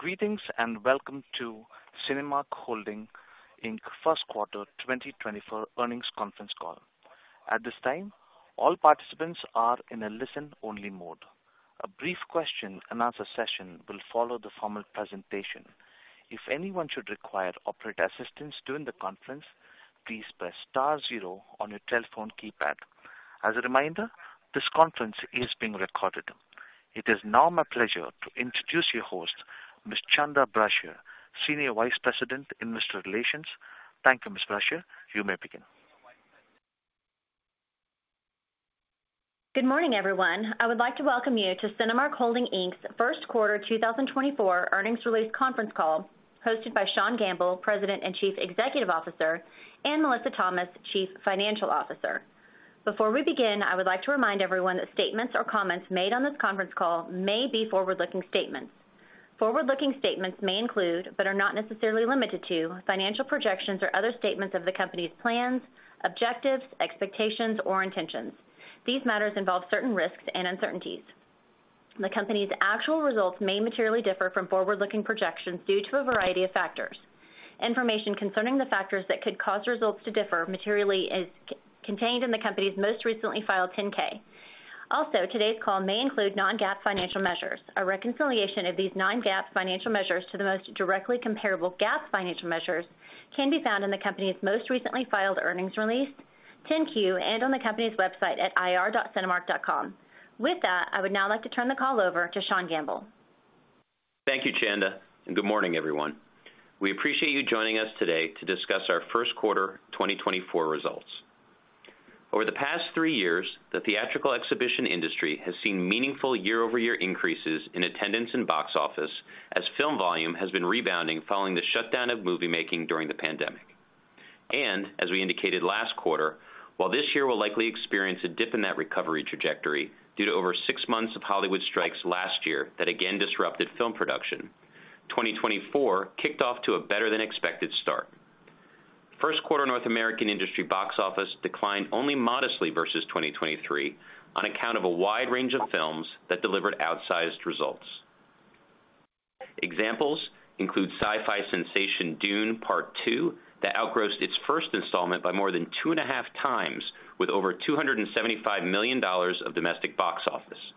Greetings, and welcome to Cinemark Holdings Inc. first quarter 2024 earnings conference call. At this time, all participants are in a listen-only mode. A brief question-and-answer session will follow the formal presentation. If anyone should require operator assistance during the conference, please press star zero on your telephone keypad. As a reminder, this conference is being recorded. It is now my pleasure to introduce your host, Ms. Chanda Brashears, Senior Vice President, Investor Relations. Thank you, Ms. Brashears. You may begin. Good morning, everyone. I would like to welcome you to Cinemark Holdings Inc.'s first quarter 2024 earnings release conference call, hosted by Sean Gamble, President and Chief Executive Officer, and Melissa Thomas, Chief Financial Officer. Before we begin, I would like to remind everyone that statements or comments made on this conference call may be forward-looking statements. Forward-looking statements may include, but are not necessarily limited to, financial projections or other statements of the company's plans, objectives, expectations, or intentions. These matters involve certain risks and uncertainties. The company's actual results may materially differ from forward-looking projections due to a variety of factors. Information concerning the factors that could cause results to differ materially is contained in the company's most recently filed 10-K. Also, today's call may include non-GAAP financial measures. A reconciliation of these non-GAAP financial measures to the most directly comparable GAAP financial measures can be found in the company's most recently filed earnings release, 10-Q, and on the company's website at ir.cinemark.com. With that, I would now like to turn the call over to Sean Gamble. Thank you, Chanda, and good morning, everyone. We appreciate you joining us today to discuss our first quarter 2024 results. Over the past three years, the theatrical exhibition industry has seen meaningful year-over-year increases in attendance and box office as film volume has been rebounding following the shutdown of movie making during the pandemic. As we indicated last quarter, while this year will likely experience a dip in that recovery trajectory due to over six months of Hollywood strikes last year that again disrupted film production, 2024 kicked off to a better-than-expected start. First quarter North American industry box office declined only modestly versus 2023 on account of a wide range of films that delivered outsized results. Examples include sci-fi sensation Dune: Part Two, that outgrossed its first installment by more than 2.5 times, with over $275 million of domestic box office.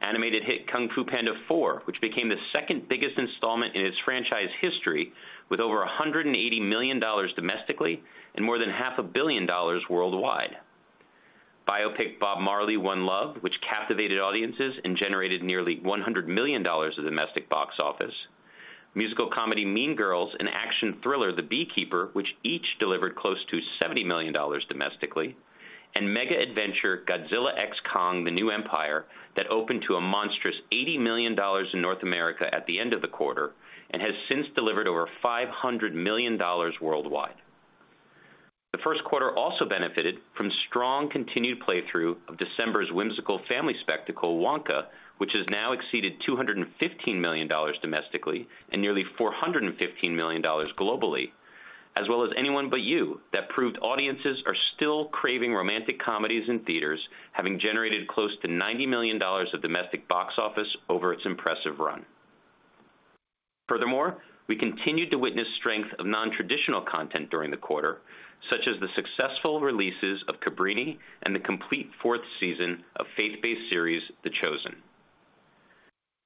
Animated hit Kung Fu Panda 4, which became the second biggest installment in its franchise history, with over $180 million domestically and more than $500 million worldwide. Biopic Bob Marley: One Love, which captivated audiences and generated nearly $100 million of domestic box office. Musical comedy Mean Girls, and action thriller The Beekeeper, which each delivered close to $70 million domestically, and mega adventure Godzilla vs. Kong: The New Empire, that opened to a monstrous $80 million in North America at the end of the quarter and has since delivered over $500 million worldwide. The first quarter also benefited from strong continued play-through of December's whimsical family spectacle, Wonka, which has now exceeded $215 million domestically and nearly $415 million globally, as well as Anyone But You, that proved audiences are still craving romantic comedies in theaters, having generated close to $90 million of domestic box office over its impressive run. Furthermore, we continued to witness strength of non-traditional content during the quarter, such as the successful releases of Cabrini and the complete fourth season of faith-based series, The Chosen.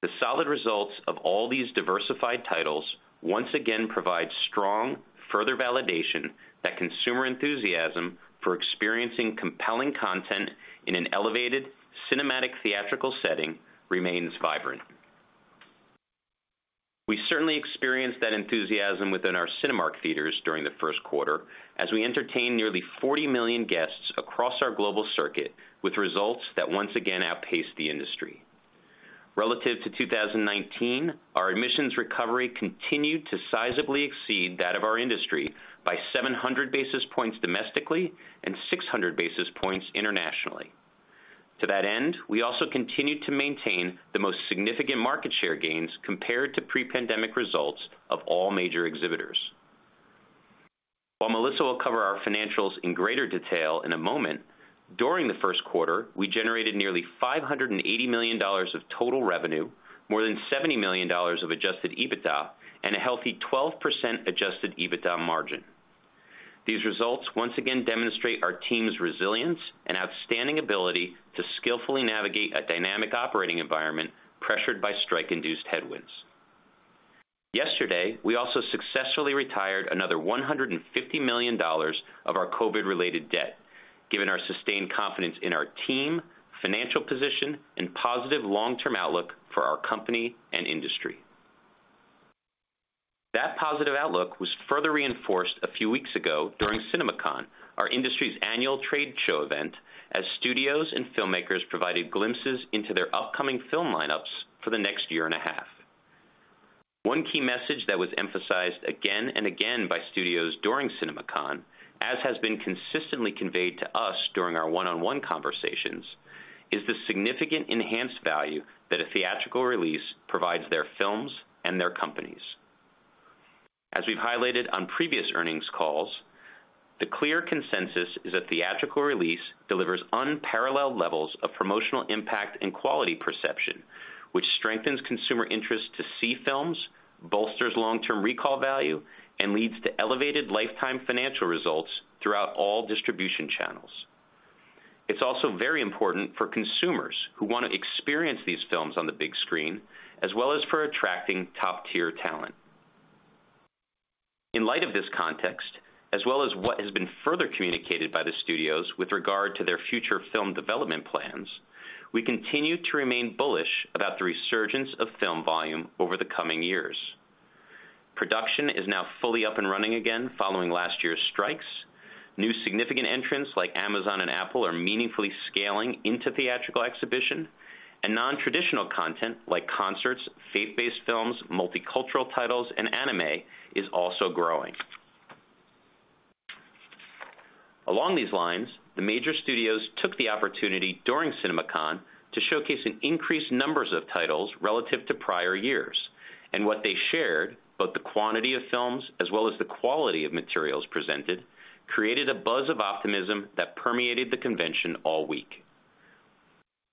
The solid results of all these diversified titles once again provide strong, further validation that consumer enthusiasm for experiencing compelling content in an elevated cinematic theatrical setting remains vibrant. We certainly experienced that enthusiasm within our Cinemark theaters during the first quarter as we entertained nearly 40 million guests across our global circuit, with results that once again outpaced the industry. Relative to 2019, our admissions recovery continued to sizably exceed that of our industry by 700 basis points domestically and 600 basis points internationally. To that end, we also continued to maintain the most significant market share gains compared to pre-pandemic results of all major exhibitors. While Melissa will cover our financials in greater detail in a moment, during the first quarter, we generated nearly $580 million of total revenue, more than $70 million of Adjusted EBITDA, and a healthy 12% Adjusted EBITDA margin. These results once again demonstrate our team's resilience and outstanding ability to skillfully navigate a dynamic operating environment pressured by strike-induced headwinds. Yesterday, we also successfully retired another $150 million of our COVID-related debt, given our sustained confidence in our team, financial position, and positive long-term outlook for our company and industry. That positive outlook was further reinforced a few weeks ago during CinemaCon, our industry's annual trade show event, as studios and filmmakers provided glimpses into their upcoming film lineups for the next year and a half. One key message that was emphasized again and again by studios during CinemaCon, as has been consistently conveyed to us during our one-on-one conversations, is the significant enhanced value that a theatrical release provides their films and their companies. As we've highlighted on previous earnings calls, the clear consensus is that theatrical release delivers unparalleled levels of promotional impact and quality perception, which strengthens consumer interest to see films, bolsters long-term recall value, and leads to elevated lifetime financial results throughout all distribution channels. It's also very important for consumers who want to experience these films on the big screen, as well as for attracting top-tier talent. In light of this context, as well as what has been further communicated by the studios with regard to their future film development plans, we continue to remain bullish about the resurgence of film volume over the coming years. Production is now fully up and running again following last year's strikes. New significant entrants like Amazon and Apple are meaningfully scaling into theatrical exhibition, and non-traditional content like concerts, faith-based films, multicultural titles, and anime is also growing. Along these lines, the major studios took the opportunity during CinemaCon to showcase an increased numbers of titles relative to prior years. What they shared, both the quantity of films as well as the quality of materials presented, created a buzz of optimism that permeated the convention all week.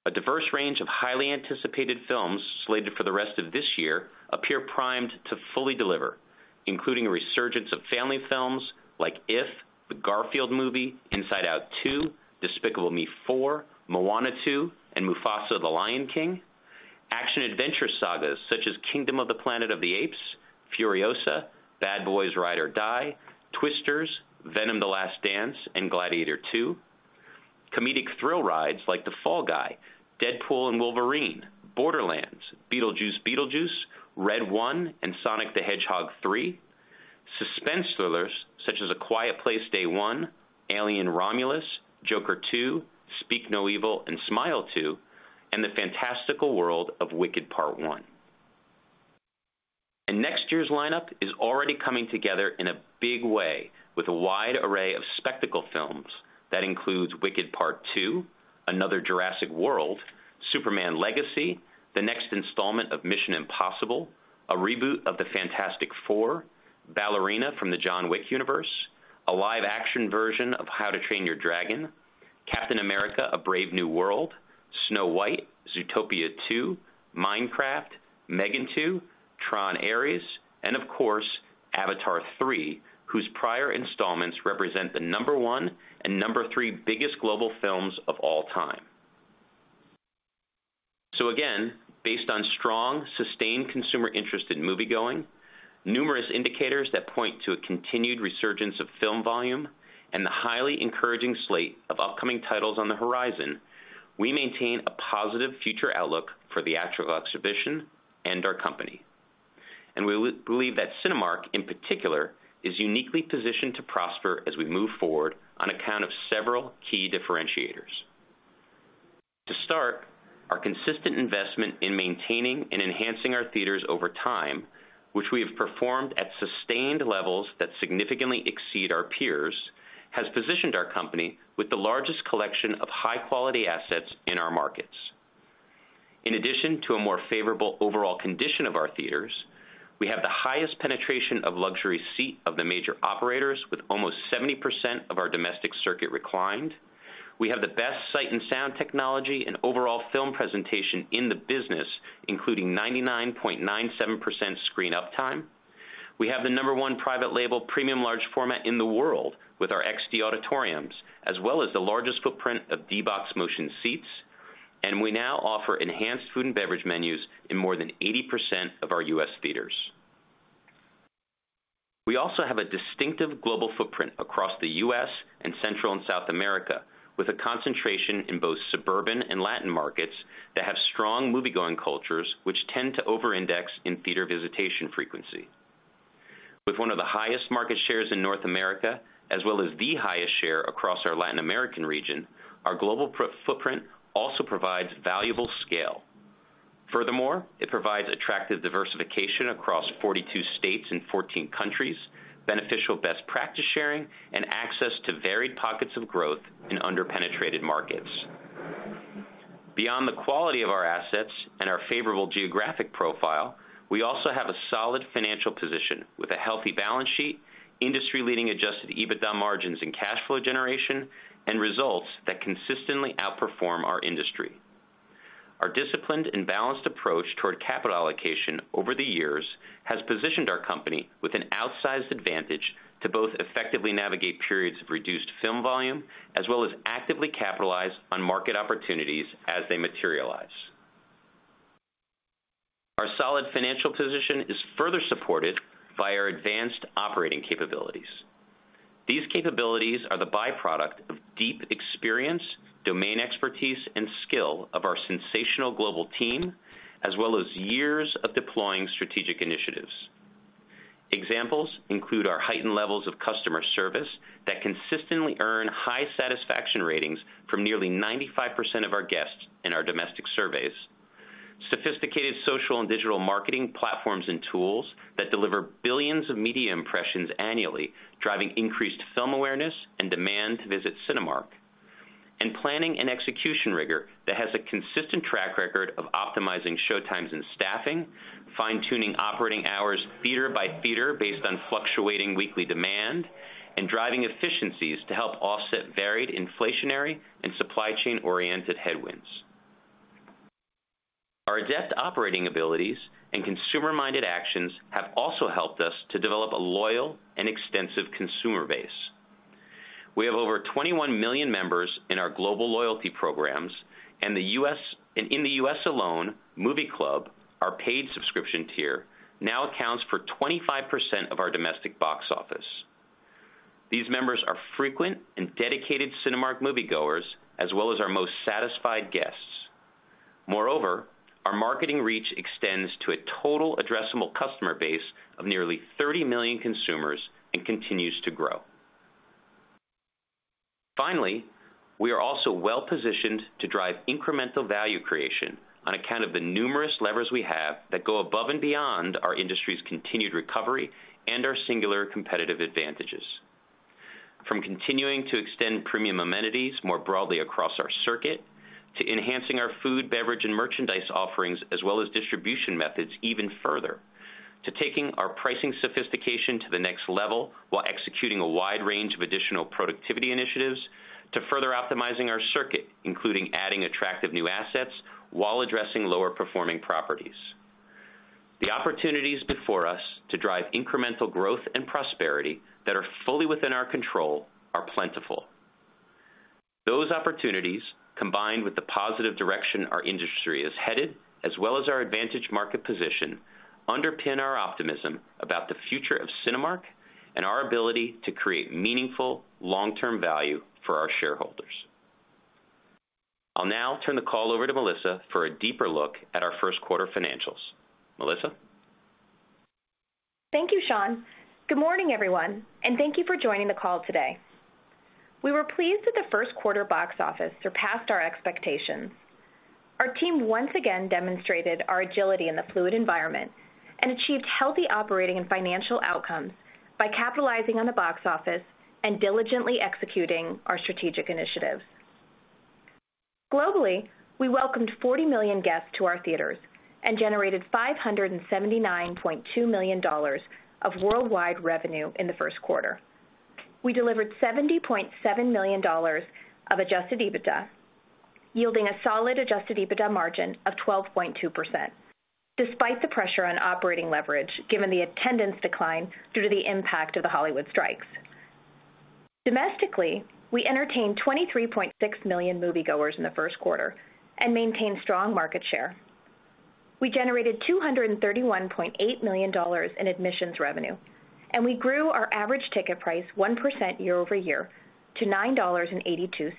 A diverse range of highly anticipated films slated for the rest of this year appear primed to fully deliver, including a resurgence of family films like IF, The Garfield Movie, Inside Out 2, Despicable Me 4, Moana 2, and Mufasa: The Lion King, action-adventure sagas such as Kingdom of the Planet of the Apes, Furiosa, Bad Boys: Ride or Die, Twisters, Venom: The Last Dance, and Gladiator II, comedic thrill rides like The Fall Guy, Deadpool & Wolverine, Borderlands, Beetlejuice Beetlejuice, Red One, and Sonic the Hedgehog 3, suspense thrillers such as A Quiet Place: Day One, Alien: Romulus, Joker 2, Speak No Evil, and Smile 2, and the fantastical world of Wicked Part One. Next year's lineup is already coming together in a big way, with a wide array of spectacle films. That includes Wicked Part Two, another Jurassic World, Superman: Legacy, the next installment of Mission: Impossible, a reboot of the Fantastic Four, Ballerina from the John Wick universe, a live-action version of How to Train Your Dragon, Captain America: A Brave New World, Snow White, Zootopia 2, Minecraft, M3GAN 2, Tron: Ares, and of course, Avatar 3, whose prior installments represent the number one and number three biggest global films of all time. So again, based on strong, sustained consumer interest in moviegoing, numerous indicators that point to a continued resurgence of film volume, and the highly encouraging slate of upcoming titles on the horizon, we maintain a positive future outlook for theatrical exhibition and our company. We believe that Cinemark, in particular, is uniquely positioned to prosper as we move forward on account of several key differentiators. To start, our consistent investment in maintaining and enhancing our theaters over time, which we have performed at sustained levels that significantly exceed our peers, has positioned our company with the largest collection of high-quality assets in our markets. In addition to a more favorable overall condition of our theaters, we have the highest penetration of luxury seating of the major operators, with almost 70% of our domestic circuit reclined. We have the best sight and sound technology and overall film presentation in the business, including 99.97% screen uptime. We have the number one private label premium large format in the world with our XD auditoriums, as well as the largest footprint of D-BOX motion seats, and we now offer enhanced food and beverage menus in more than 80% of our U.S. theaters. We also have a distinctive global footprint across the U.S. and Central and South America, with a concentration in both suburban and Latin markets that have strong moviegoing cultures, which tend to over-index in theater visitation frequency. With one of the highest market shares in North America, as well as the highest share across our Latin American region, our global footprint also provides valuable scale. Furthermore, it provides attractive diversification across 42 states and 14 countries, beneficial best practice sharing, and access to varied pockets of growth in under-penetrated markets. Beyond the quality of our assets and our favorable geographic profile, we also have a solid financial position with a healthy balance sheet, industry-leading Adjusted EBITDA margins and cash flow generation, and results that consistently outperform our industry. Our disciplined and balanced approach toward capital allocation over the years has positioned our company with an outsized advantage to both effectively navigate periods of reduced film volume, as well as actively capitalize on market opportunities as they materialize. Our solid financial position is further supported by our advanced operating capabilities. These capabilities are the byproduct of deep experience, domain expertise, and skill of our sensational global team, as well as years of deploying strategic initiatives. Examples include our heightened levels of customer service that consistently earn high satisfaction ratings from nearly 95% of our guests in our domestic surveys, sophisticated social and digital marketing platforms and tools that deliver billions of media impressions annually, driving increased film awareness and demand to visit Cinemark. and planning and execution rigor that has a consistent track record of optimizing showtimes and staffing, fine-tuning operating hours theater by theater based on fluctuating weekly demand, and driving efficiencies to help offset varied inflationary and supply chain-oriented headwinds. Our adept operating abilities and consumer-minded actions have also helped us to develop a loyal and extensive consumer base. We have over 21 million members in our global loyalty programs, and the U.S.- and in the U.S. alone, Movie Club, our paid subscription tier, now accounts for 25% of our domestic box office. These members are frequent and dedicated Cinemark moviegoers, as well as our most satisfied guests. Moreover, our marketing reach extends to a total addressable customer base of nearly 30 million consumers and continues to grow. Finally, we are also well-positioned to drive incremental value creation on account of the numerous levers we have that go above and beyond our industry's continued recovery and our singular competitive advantages. From continuing to extend premium amenities more broadly across our circuit, to enhancing our food, beverage, and merchandise offerings, as well as distribution methods even further, to taking our pricing sophistication to the next level while executing a wide range of additional productivity initiatives, to further optimizing our circuit, including adding attractive new assets while addressing lower-performing properties. The opportunities before us to drive incremental growth and prosperity that are fully within our control are plentiful. Those opportunities, combined with the positive direction our industry is headed, as well as our advantage market position, underpin our optimism about the future of Cinemark and our ability to create meaningful, long-term value for our shareholders. I'll now turn the call over to Melissa for a deeper look at our first quarter financials. Melissa? Thank you, Sean. Good morning, everyone, and thank you for joining the call today. We were pleased that the first quarter box office surpassed our expectations. Our team once again demonstrated our agility in the fluid environment and achieved healthy operating and financial outcomes by capitalizing on the box office and diligently executing our strategic initiatives. Globally, we welcomed 40 million guests to our theaters and generated $579.2 million of worldwide revenue in the first quarter. We delivered $70.7 million of Adjusted EBITDA, yielding a solid Adjusted EBITDA margin of 12.2%, despite the pressure on operating leverage, given the attendance decline due to the impact of the Hollywood strikes. Domestically, we entertained 23.6 million moviegoers in the first quarter and maintained strong market share. We generated $231.8 million in admissions revenue, and we grew our average ticket price 1% year-over-year to $9.82.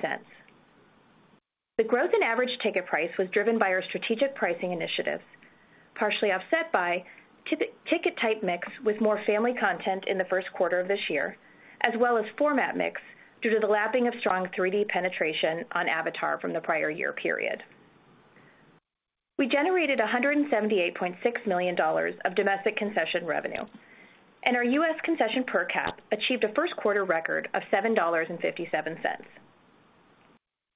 The growth in average ticket price was driven by our strategic pricing initiatives, partially offset by ticket type mix, with more family content in the first quarter of this year, as well as format mix, due to the lapping of strong 3D penetration on Avatar from the prior year period. We generated $178.6 million of domestic concession revenue, and our U.S. concession per cap achieved a first quarter record of $7.57.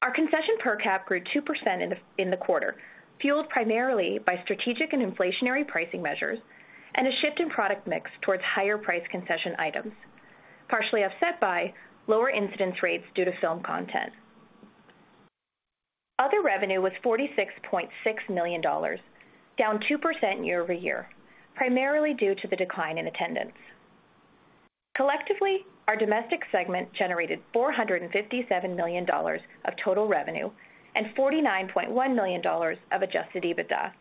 Our concession per cap grew 2% in the quarter, fueled primarily by strategic and inflationary pricing measures and a shift in product mix towards higher-priced concession items, partially offset by lower incidence rates due to film content. Other revenue was $46.6 million, down 2% year-over-year, primarily due to the decline in attendance. Collectively, our domestic segment generated $457 million of total revenue and $49.1 million of Adjusted EBITDA,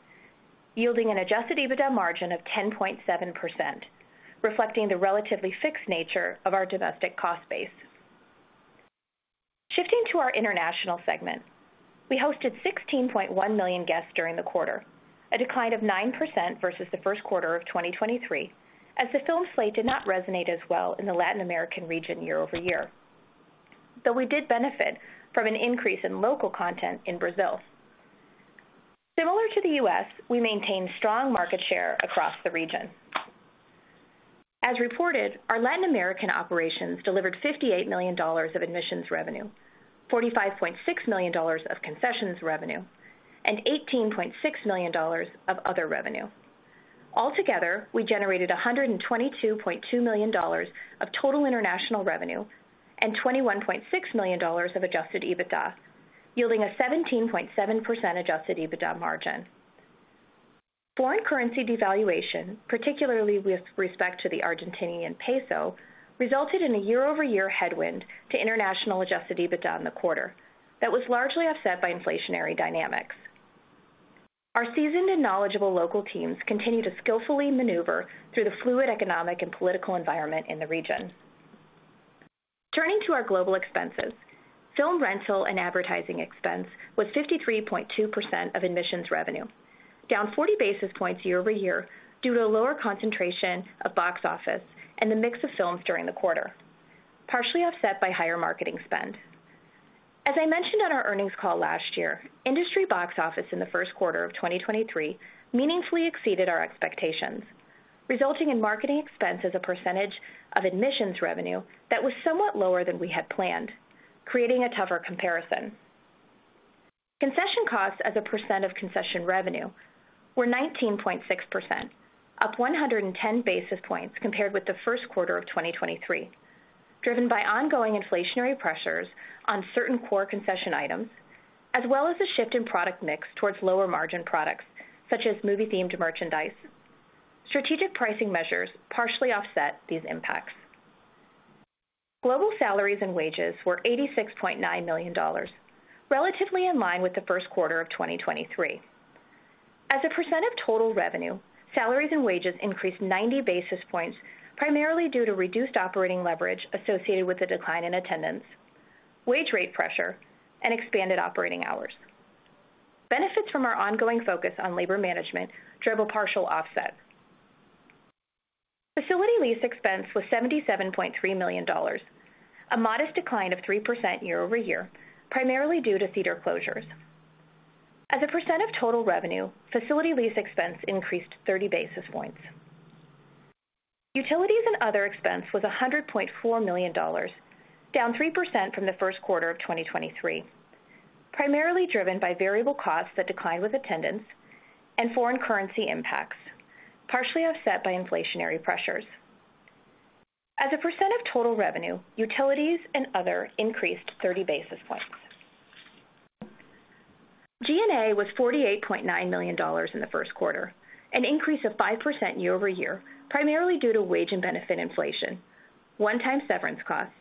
yielding an Adjusted EBITDA margin of 10.7%, reflecting the relatively fixed nature of our domestic cost base. Shifting to our international segment, we hosted 16.1 million guests during the quarter, a decline of 9% versus the first quarter of 2023, as the film slate did not resonate as well in the Latin American region year-over-year. Though we did benefit from an increase in local content in Brazil. Similar to the U.S., we maintained strong market share across the region. As reported, our Latin American operations delivered $58 million of admissions revenue, $45.6 million of concessions revenue, and $18.6 million of other revenue. Altogether, we generated $122.2 million of total international revenue and $21.6 million of Adjusted EBITDA, yielding a 17.7% Adjusted EBITDA margin. Foreign currency devaluation, particularly with respect to the Argentine peso, resulted in a year-over-year headwind to international Adjusted EBITDA in the quarter that was largely offset by inflationary dynamics. Our seasoned and knowledgeable local teams continue to skillfully maneuver through the fluid economic and political environment in the region. Turning to our global expenses, film rental and advertising expense was 53.2% of admissions revenue, down 40 basis points year-over-year due to a lower concentration of box office and the mix of films during the quarter, partially offset by higher marketing spend. As I mentioned on our earnings call last year, industry box office in the first quarter of 2023 meaningfully exceeded our expectations... resulting in marketing expense as a percentage of admissions revenue that was somewhat lower than we had planned, creating a tougher comparison. Concession costs as a percent of concession revenue were 19.6%, up 110 basis points compared with the first quarter of 2023, driven by ongoing inflationary pressures on certain core concession items, as well as a shift in product mix towards lower-margin products, such as movie-themed merchandise. Strategic pricing measures partially offset these impacts. Global salaries and wages were $86.9 million, relatively in line with the first quarter of 2023. As a percent of total revenue, salaries and wages increased 90 basis points, primarily due to reduced operating leverage associated with the decline in attendance, wage rate pressure, and expanded operating hours. Benefits from our ongoing focus on labor management drove a partial offset. Facility lease expense was $77.3 million, a modest decline of 3% year-over-year, primarily due to theater closures. As a percent of total revenue, facility lease expense increased 30 basis points. Utilities and other expense was $100.4 million, down 3% from the first quarter of 2023, primarily driven by variable costs that declined with attendance and foreign currency impacts, partially offset by inflationary pressures. As a percent of total revenue, utilities and other increased 30 basis points. G&A was $48.9 million in the first quarter, an increase of 5% year-over-year, primarily due to wage and benefit inflation, one-time severance costs,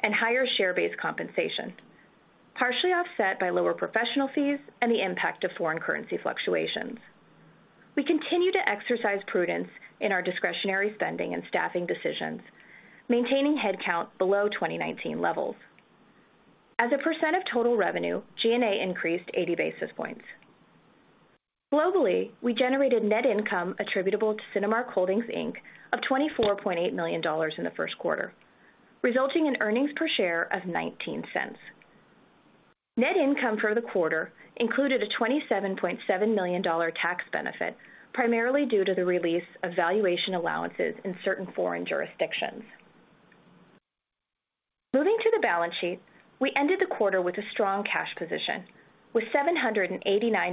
and higher share-based compensation, partially offset by lower professional fees and the impact of foreign currency fluctuations. We continue to exercise prudence in our discretionary spending and staffing decisions, maintaining headcount below 2019 levels. As a percent of total revenue, G&A increased 80 basis points. Globally, we generated net income attributable to Cinemark Holdings, Inc., of $24.8 million in the first quarter, resulting in earnings per share of $0.19. Net income for the quarter included a $27.7 million tax benefit, primarily due to the release of valuation allowances in certain foreign jurisdictions. Moving to the balance sheet, we ended the quarter with a strong cash position, with $789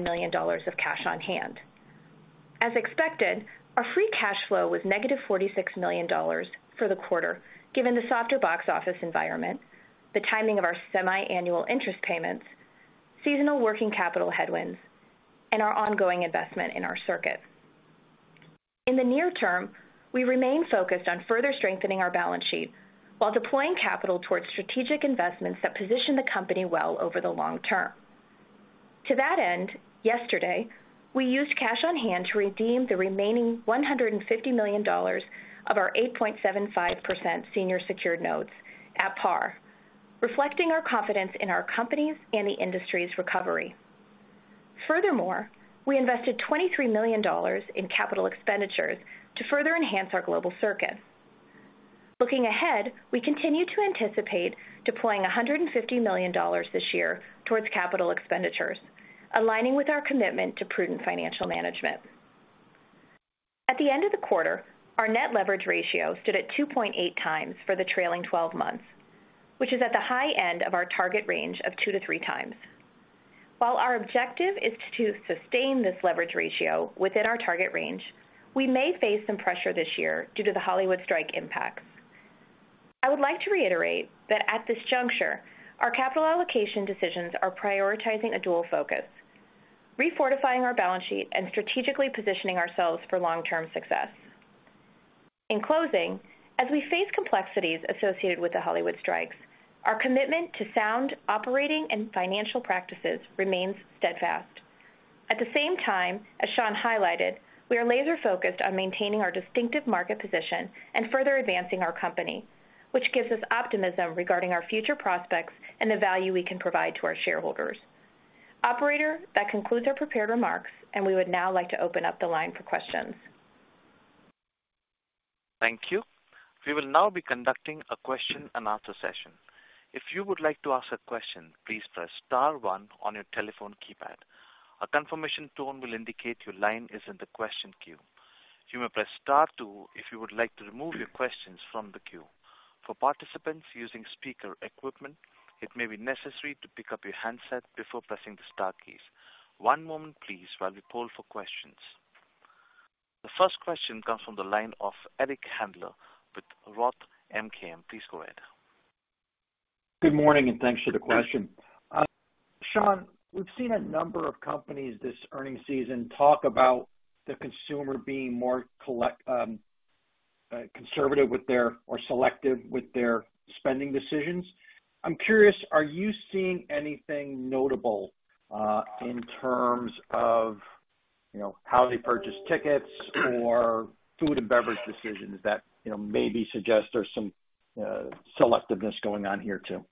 million of cash on hand. As expected, our free cash flow was -$46 million for the quarter, given the softer box office environment, the timing of our semiannual interest payments, seasonal working capital headwinds, and our ongoing investment in our circuits. In the near term, we remain focused on further strengthening our balance sheet while deploying capital towards strategic investments that position the company well over the long term. To that end, yesterday, we used cash on hand to redeem the remaining $150 million of our 8.75% senior secured notes at par, reflecting our confidence in our companies and the industry's recovery. Furthermore, we invested $23 million in capital expenditures to further enhance our global circuit. Looking ahead, we continue to anticipate deploying $150 million this year towards capital expenditures, aligning with our commitment to prudent financial management. At the end of the quarter, our net leverage ratio stood at 2.8 times for the trailing twelve months, which is at the high end of our target range of two-three times. While our objective is to sustain this leverage ratio within our target range, we may face some pressure this year due to the Hollywood strike impacts. I would like to reiterate that at this juncture, our capital allocation decisions are prioritizing a dual focus: refortifying our balance sheet and strategically positioning ourselves for long-term success. In closing, as we face complexities associated with the Hollywood strikes, our commitment to sound operating and financial practices remains steadfast. At the same time, as Sean highlighted, we are laser-focused on maintaining our distinctive market position and further advancing our company, which gives us optimism regarding our future prospects and the value we can provide to our shareholders. Operator, that concludes our prepared remarks, and we would now like to open up the line for questions. Thank you. We will now be conducting a question-and-answer session. If you would like to ask a question, please press star one on your telephone keypad. A confirmation tone will indicate your line is in the question queue. You may press star two if you would like to remove your questions from the queue. For participants using speaker equipment, it may be necessary to pick up your handset before pressing the star keys. One moment please while we poll for questions. The first question comes from the line of Eric Handler with Roth MKM. Please go ahead. Good morning, and thanks for the question. Sean, we've seen a number of companies this earnings season talk about the consumer being more conservative with their or selective with their spending decisions. I'm curious, are you seeing anything notable, in terms of, you know, how they purchase tickets or food and beverage decisions that, you know, maybe suggest there's some selectiveness going on here, too?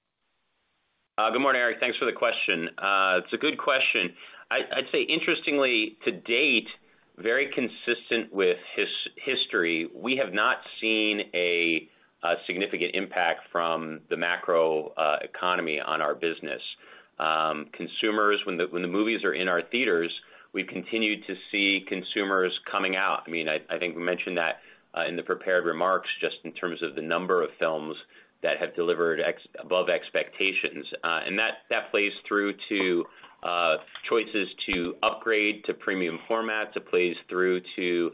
good morning, Eric. Thanks for the question. It's a good question. I'd, I'd say interestingly, to date, very consistent with its history, we have not seen a significant impact from the macro economy on our business. Consumers, when the movies are in our theaters, we've continued to see consumers coming out. I mean, I think we mentioned that in the prepared remarks, just in terms of the number of films that have delivered above expectations. And that plays through to choices to upgrade to premium formats. It plays through to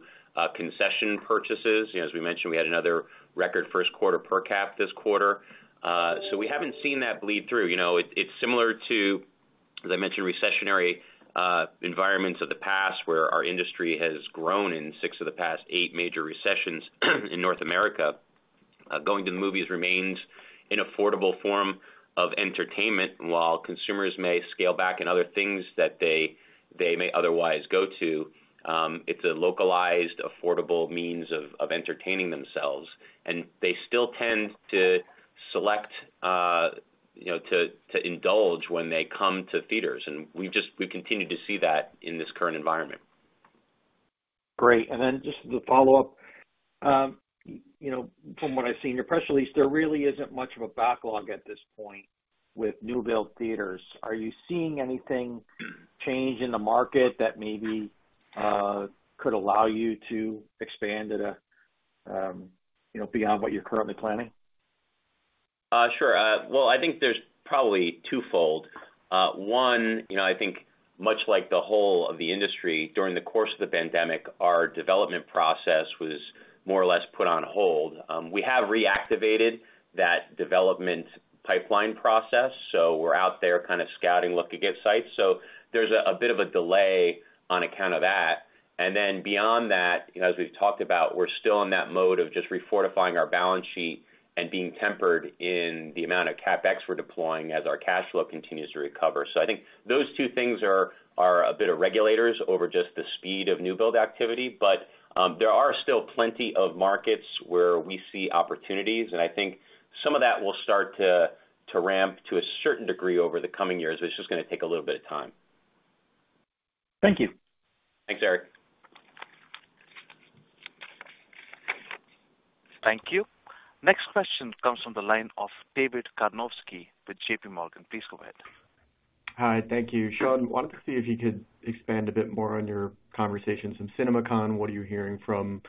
concession purchases. You know, as we mentioned, we had another record first quarter per cap this quarter. So we haven't seen that bleed through. You know, it's similar to, as I mentioned, recessionary environments of the past, where our industry has grown in six of the past eight major recessions, in North America. Going to the movies remains an affordable form of entertainment, while consumers may scale back in other things that they, they may otherwise go to, it's a localized, affordable means of entertaining themselves, and they still tend to select, you know, to indulge when they come to theaters. We continue to see that in this current environment. Great. And then just the follow-up. You know, from what I've seen in your press release, there really isn't much of a backlog at this point with new build theaters. Are you seeing anything change in the market that maybe could allow you to expand at a, you know, beyond what you're currently planning? Sure. Well, I think there's probably twofold. One, you know, I think much like the whole of the industry, during the course of the pandemic, our development process was more or less put on hold. We have reactivated that development pipeline process, so we're out there kind of scouting, looking to get sites. So there's a bit of a delay on account of that. And then beyond that, you know, as we've talked about, we're still in that mode of just refortifying our balance sheet and being tempered in the amount of CapEx we're deploying as our cash flow continues to recover. I think those two things are a bit of regulators over just the speed of new build activity, but there are still plenty of markets where we see opportunities, and I think some of that will start to ramp to a certain degree over the coming years. It's just gonna take a little bit of time. Thank you. Thanks, Eric. Thank you. Next question comes from the line of David Karnovsky with JP Morgan. Please go ahead. Hi, thank you. Sean, wanted to see if you could expand a bit more on your conversations in CinemaCon. What are you hearing from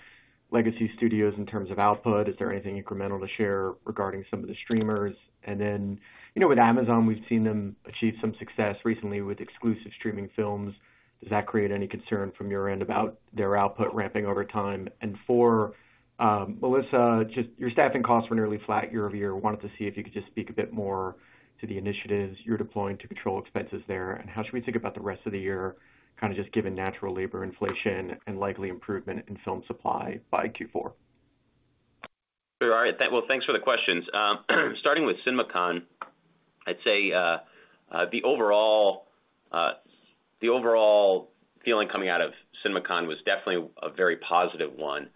legacy studios in terms of output? Is there anything incremental to share regarding some of the streamers? And then, you know, with Amazon, we've seen them achieve some success recently with exclusive streaming films. Does that create any concern from your end about their output ramping over time? And for Melissa, just your staffing costs were nearly flat year-over-year. I wanted to see if you could just speak a bit more to the initiatives you're deploying to control expenses there, and how should we think about the rest of the year, kind of just given natural labor inflation and likely improvement in film supply by Q4? Sure, all right. Well, thanks for the questions. Starting with CinemaCon, I'd say the overall feeling coming out of CinemaCon was definitely a very positive one.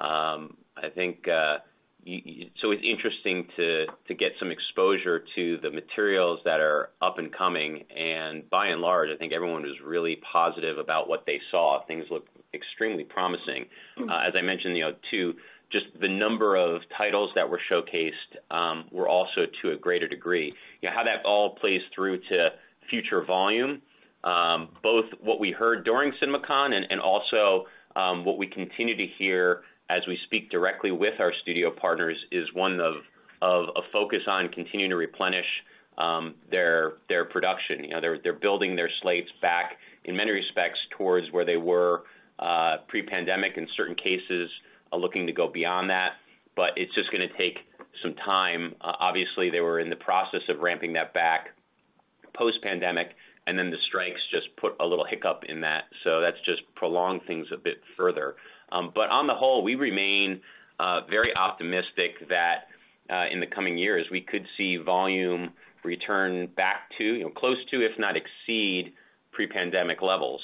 I think so it's interesting to get some exposure to the materials that are up and coming, and by and large, I think everyone was really positive about what they saw. Things looked extremely promising. As I mentioned, you know, too, just the number of titles that were showcased were also to a greater degree. You know, how that all plays through to future volume, both what we heard during CinemaCon and also what we continue to hear as we speak directly with our studio partners, is one of a focus on continuing to replenish their production. You know, they're building their slates back, in many respects, towards where they were pre-pandemic, in certain cases, are looking to go beyond that, but it's just gonna take some time. Obviously, they were in the process of ramping that back post-pandemic, and then the strikes just put a little hiccup in that, so that's just prolonged things a bit further. But on the whole, we remain very optimistic that in the coming years, we could see volume return back to, you know, close to, if not exceed pre-pandemic levels.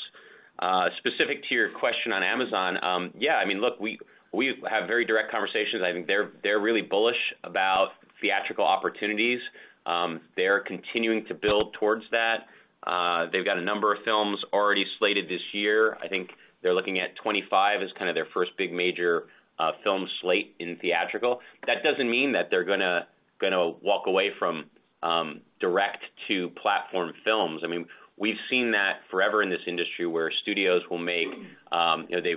Specific to your question on Amazon, yeah, I mean, look, we have very direct conversations. I think they're really bullish about theatrical opportunities. They're continuing to build towards that. They've got a number of films already slated this year. I think they're looking at 25 as kind of their first big major film slate in theatrical. That doesn't mean that they're gonna walk away from direct to platform films. I mean, we've seen that forever in this industry, where studios will make, you know,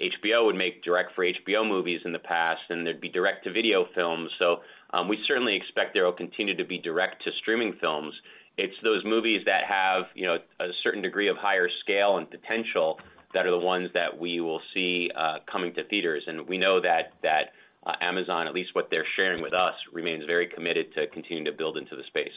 HBO would make direct for HBO movies in the past, and there'd be direct-to-video films. So, we certainly expect there will continue to be direct to streaming films. It's those movies that have, you know, a certain degree of higher scale and potential that are the ones that we will see coming to theaters. And we know that Amazon, at least what they're sharing with us, remains very committed to continuing to build into the space.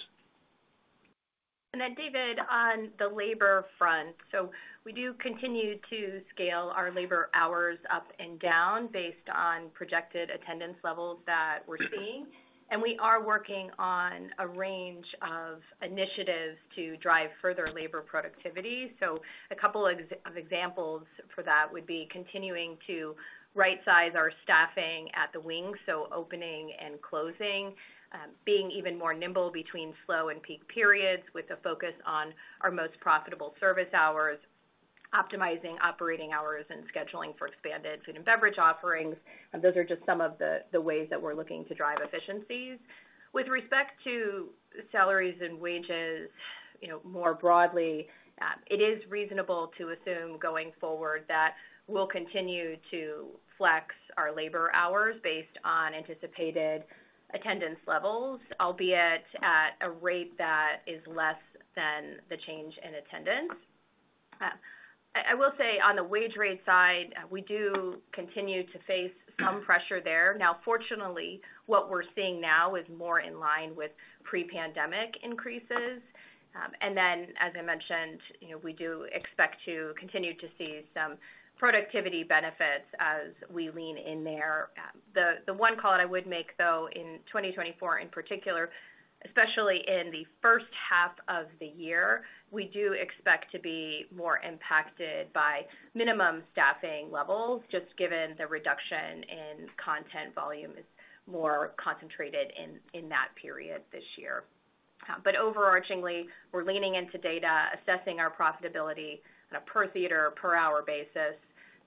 Then, David, on the labor front, so we do continue to scale our labor hours up and down based on projected attendance levels that we're seeing. We are working on a range of initiatives to drive further labor productivity. A couple of examples for that would be continuing to rightsize our staffing at the wing, so opening and closing, being even more nimble between slow and peak periods, with a focus on our most profitable service hours. optimizing operating hours and scheduling for expanded food and beverage offerings, and those are just some of the ways that we're looking to drive efficiencies. With respect to salaries and wages, you know, more broadly, it is reasonable to assume going forward that we'll continue to flex our labor hours based on anticipated attendance levels, albeit at a rate that is less than the change in attendance. I will say on the wage rate side, we do continue to face some pressure there. Now, fortunately, what we're seeing now is more in line with pre-pandemic increases. And then as I mentioned, you know, we do expect to continue to see some productivity benefits as we lean in there. The one call I would make, though, in 2024, in particular, especially in the first half of the year, we do expect to be more impacted by minimum staffing levels, just given the reduction in content volume is more concentrated in that period this year. But overarchingly, we're leaning into data, assessing our profitability on a per theater, per hour basis,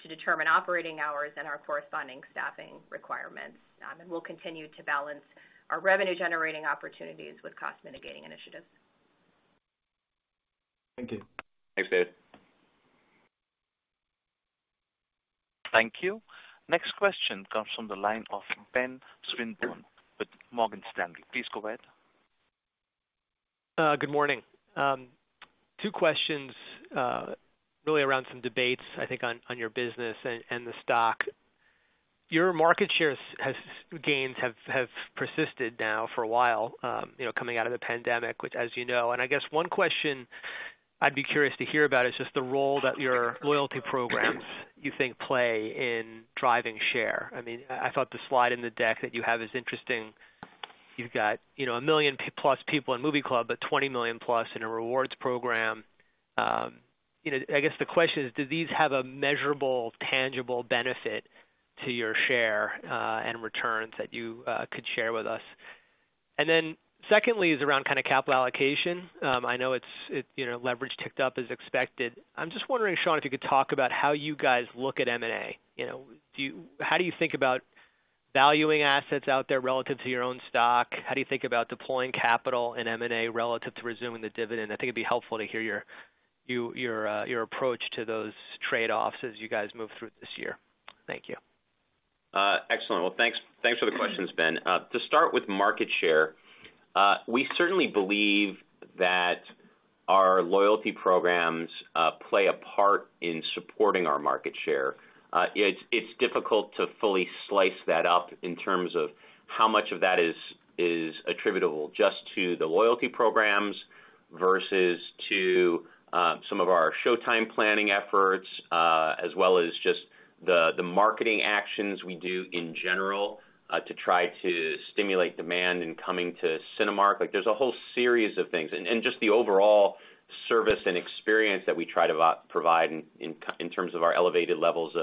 to determine operating hours and our corresponding staffing requirements. And we'll continue to balance our revenue-generating opportunities with cost-mitigating initiatives. Thank you. Thanks, David. Thank you. Next question comes from the line of Ben Swinburne with Morgan Stanley. Please go ahead. Good morning. Two questions, really around some debates, I think, on your business and the stock. Your market share gains have persisted now for a while, you know, coming out of the pandemic, which as you know. I guess one question I'd be curious to hear about is just the role that your loyalty programs, you think, play in driving share. I mean, I thought the slide in the deck that you have is interesting. You've got, you know, 1 million plus people in Movie Club, but 20 million plus in a rewards program. You know, I guess the question is, do these have a measurable, tangible benefit to your share and returns that you could share with us? Then secondly, is around kind of capital allocation. I know it's, you know, leverage ticked up as expected. I'm just wondering, Sean, if you could talk about how you guys look at M&A. You know, how do you think about valuing assets out there relative to your own stock? How do you think about deploying capital and M&A relative to resuming the dividend? I think it'd be helpful to hear your approach to those trade-offs as you guys move through this year. Thank you. Excellent. Well, thanks, thanks for the questions, Ben. To start with market share, we certainly believe that our loyalty programs play a part in supporting our market share. It's difficult to fully slice that up in terms of how much of that is attributable just to the loyalty programs versus to some of our showtime planning efforts, as well as just the marketing actions we do in general to try to stimulate demand in coming to Cinemark. Like, there's a whole series of things and just the overall service and experience that we try to provide in terms of our elevated levels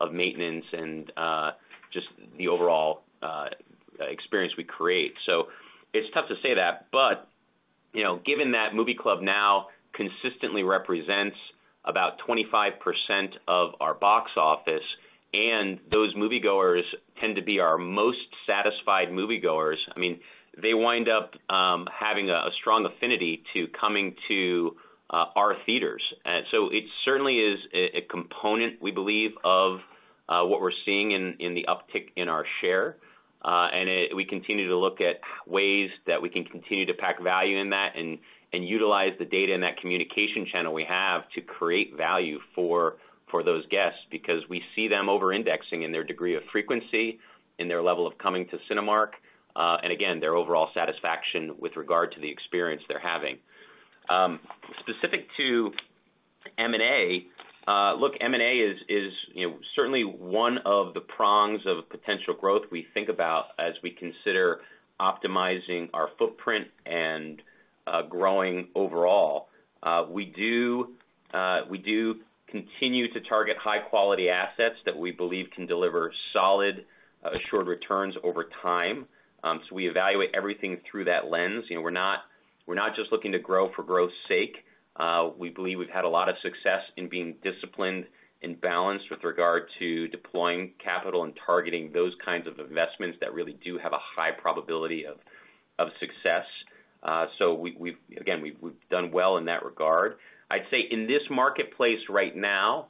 of maintenance and just the overall experience we create. So it's tough to say that, but, you know, given that Movie Club now consistently represents about 25% of our box office, and those moviegoers tend to be our most satisfied moviegoers, I mean, they wind up having a strong affinity to coming to our theaters. So it certainly is a component, we believe, of what we're seeing in the uptick in our share. And it, we continue to look at ways that we can continue to pack value in that and utilize the data in that communication channel we have to create value for those guests, because we see them over-indexing in their degree of frequency, in their level of coming to Cinemark, and again, their overall satisfaction with regard to the experience they're having. Specific to M&A, look, M&A is, you know, certainly one of the prongs of potential growth we think about as we consider optimizing our footprint and growing overall. We do continue to target high-quality assets that we believe can deliver solid assured returns over time. So we evaluate everything through that lens. You know, we're not just looking to grow for growth's sake. We believe we've had a lot of success in being disciplined and balanced with regard to deploying capital and targeting those kinds of investments that really do have a high probability of success. So we've again done well in that regard. I'd say in this marketplace right now,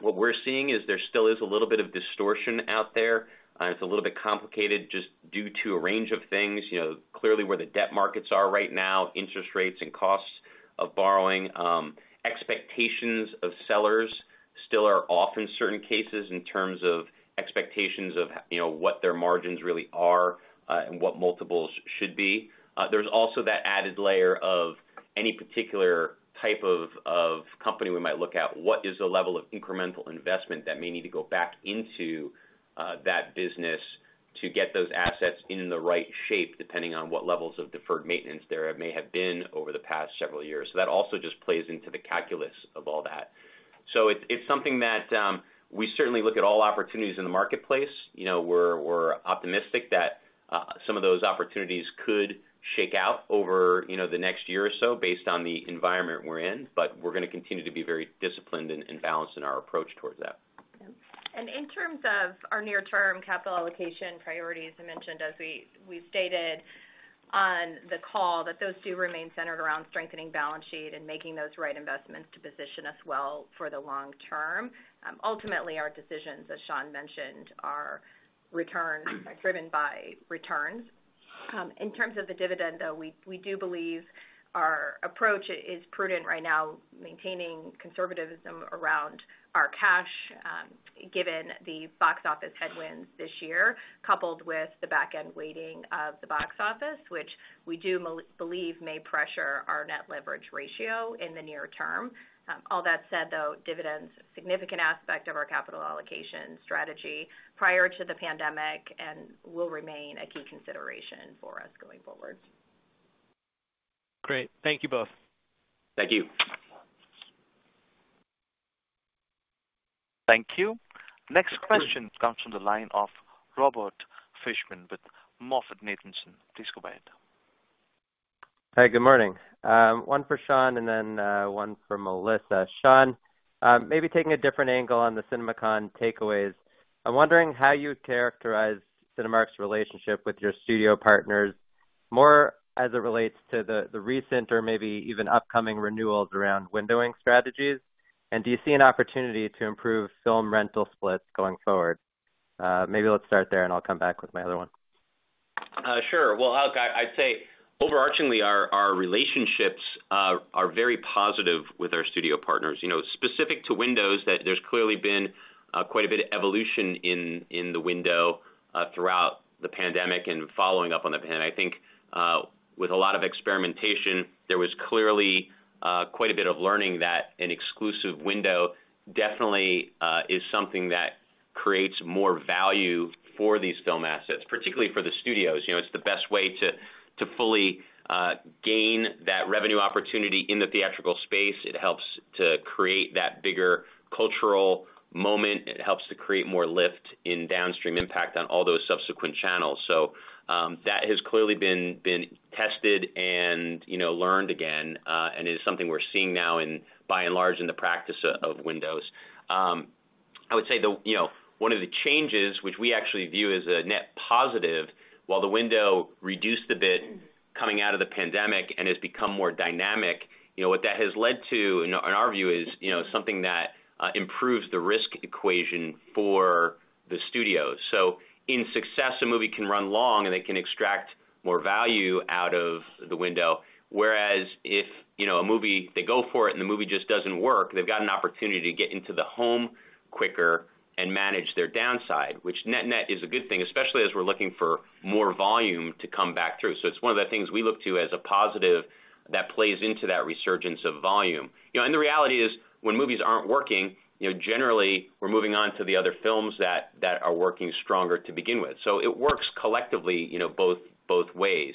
what we're seeing is there still is a little bit of distortion out there, and it's a little bit complicated just due to a range of things, you know, clearly where the debt markets are right now, interest rates and costs of borrowing. Expectations of sellers still are off in certain cases in terms of expectations of, you know, what their margins really are, and what multiples should be. There's also that added layer of any particular type of, of company we might look at, what is the level of incremental investment that may need to go back into, that business to get those assets in the right shape, depending on what levels of deferred maintenance there may have been over the past several years. So that also just plays into the calculus of all that. So it's something that we certainly look at all opportunities in the marketplace. You know, we're optimistic that some of those opportunities could shake out over, you know, the next year or so based on the environment we're in, but we're gonna continue to be very disciplined and balanced in our approach towards that. in terms of our near-term capital allocation priorities, I mentioned, as we, we've stated on the call, that those do remain centered around strengthening balance sheet and making those right investments to position us well for the long term. Ultimately, our decisions, as Sean mentioned, are driven by returns. In terms of the dividend, though, we do believe our approach is prudent right now, maintaining conservatism around our cash, given the box office headwinds this year, coupled with the back-end weighting of the box office, which we do believe may pressure our net leverage ratio in the near term. All that said, though, dividend's a significant aspect of our capital allocation strategy prior to the pandemic and will remain a key consideration for us going forward. Great. Thank you both. Thank you. Thank you. Next question comes from the line of Robert Fishman with MoffettNathanson. Please go ahead. Hey, good morning. One for Sean and then one for Melissa. Sean, maybe taking a different angle on the CinemaCon takeaways, I'm wondering how you would characterize Cinemark's relationship with your studio partners, more as it relates to the recent or maybe even upcoming renewals around windowing strategies. And do you see an opportunity to improve film rental splits going forward? Maybe let's start there, and I'll come back with my other one. Sure. Well, look, I'd say overarchingly, our relationships are very positive with our studio partners. You know, specific to windows, there's clearly been quite a bit of evolution in the window throughout the pandemic and following up on the pandemic. I think, with a lot of experimentation, there was clearly quite a bit of learning that an exclusive window definitely is something that creates more value for these film assets, particularly for the studios. You know, it's the best way to fully gain that revenue opportunity in the theatrical space. It helps to create that bigger cultural moment. It helps to create more lift in downstream impact on all those subsequent channels. So, that has clearly been tested and, you know, learned again, and is something we're seeing now, by and large, in the practice of windows. I would say, you know, one of the changes, which we actually view as a net positive, while the window reduced a bit coming out of the pandemic and has become more dynamic, you know, what that has led to, in our view, is, you know, something that improves the risk equation for the studios. So in success, a movie can run long, and they can extract more value out of the window. Whereas if, you know, a movie, they go for it, and the movie just doesn't work, they've got an opportunity to get into the home quicker and manage their downside, which net-net is a good thing, especially as we're looking for more volume to come back through. So it's one of the things we look to as a positive that plays into that resurgence of volume. You know, and the reality is, when movies aren't working, you know, generally we're moving on to the other films that are working stronger to begin with. So it works collectively, you know, both ways.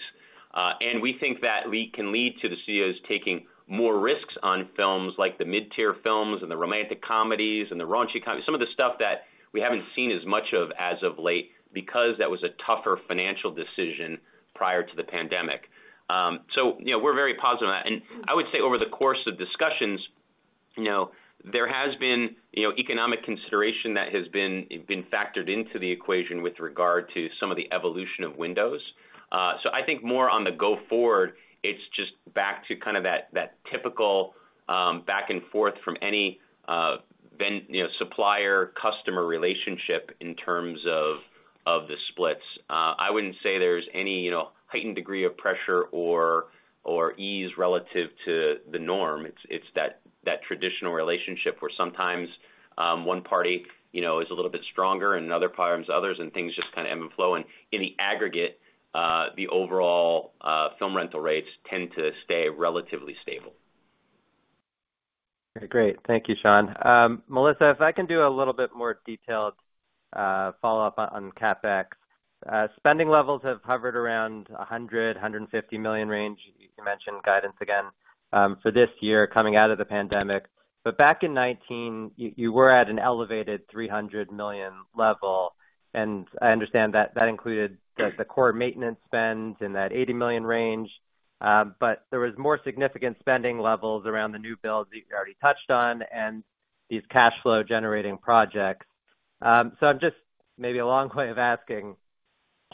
And we think that we can lead to the studios taking more risks on films like the mid-tier films and the romantic comedies and the raunchy comedies, some of the stuff that we haven't seen as much of as of late, because that was a tougher financial decision prior to the pandemic. So, you know, we're very positive on that. And I would say, over the course of discussions, you know, there has been, you know, economic consideration that has been factored into the equation with regard to some of the evolution of windows. So I think more on the go forward, it's just back to kind of that typical back and forth from any you know, supplier-customer relationship in terms of the splits. I wouldn't say there's any, you know, heightened degree of pressure or ease relative to the norm. It's that traditional relationship, where sometimes one party, you know, is a little bit stronger, and another party harms others, and things just kind of ebb and flow. And in the aggregate, the overall film rental rates tend to stay relatively stable. Great. Thank you, Sean. Melissa, if I can do a little bit more detailed follow-up on CapEx. Spending levels have hovered around $100 million-$150 million range. You mentioned guidance again for this year coming out of the pandemic. But back in 2019, you were at an elevated $300 million level, and I understand that that included the core maintenance spend in that $80 million range. But there was more significant spending levels around the new builds that you've already touched on and these cash flow-generating projects. So I'm just -- maybe a long way of asking: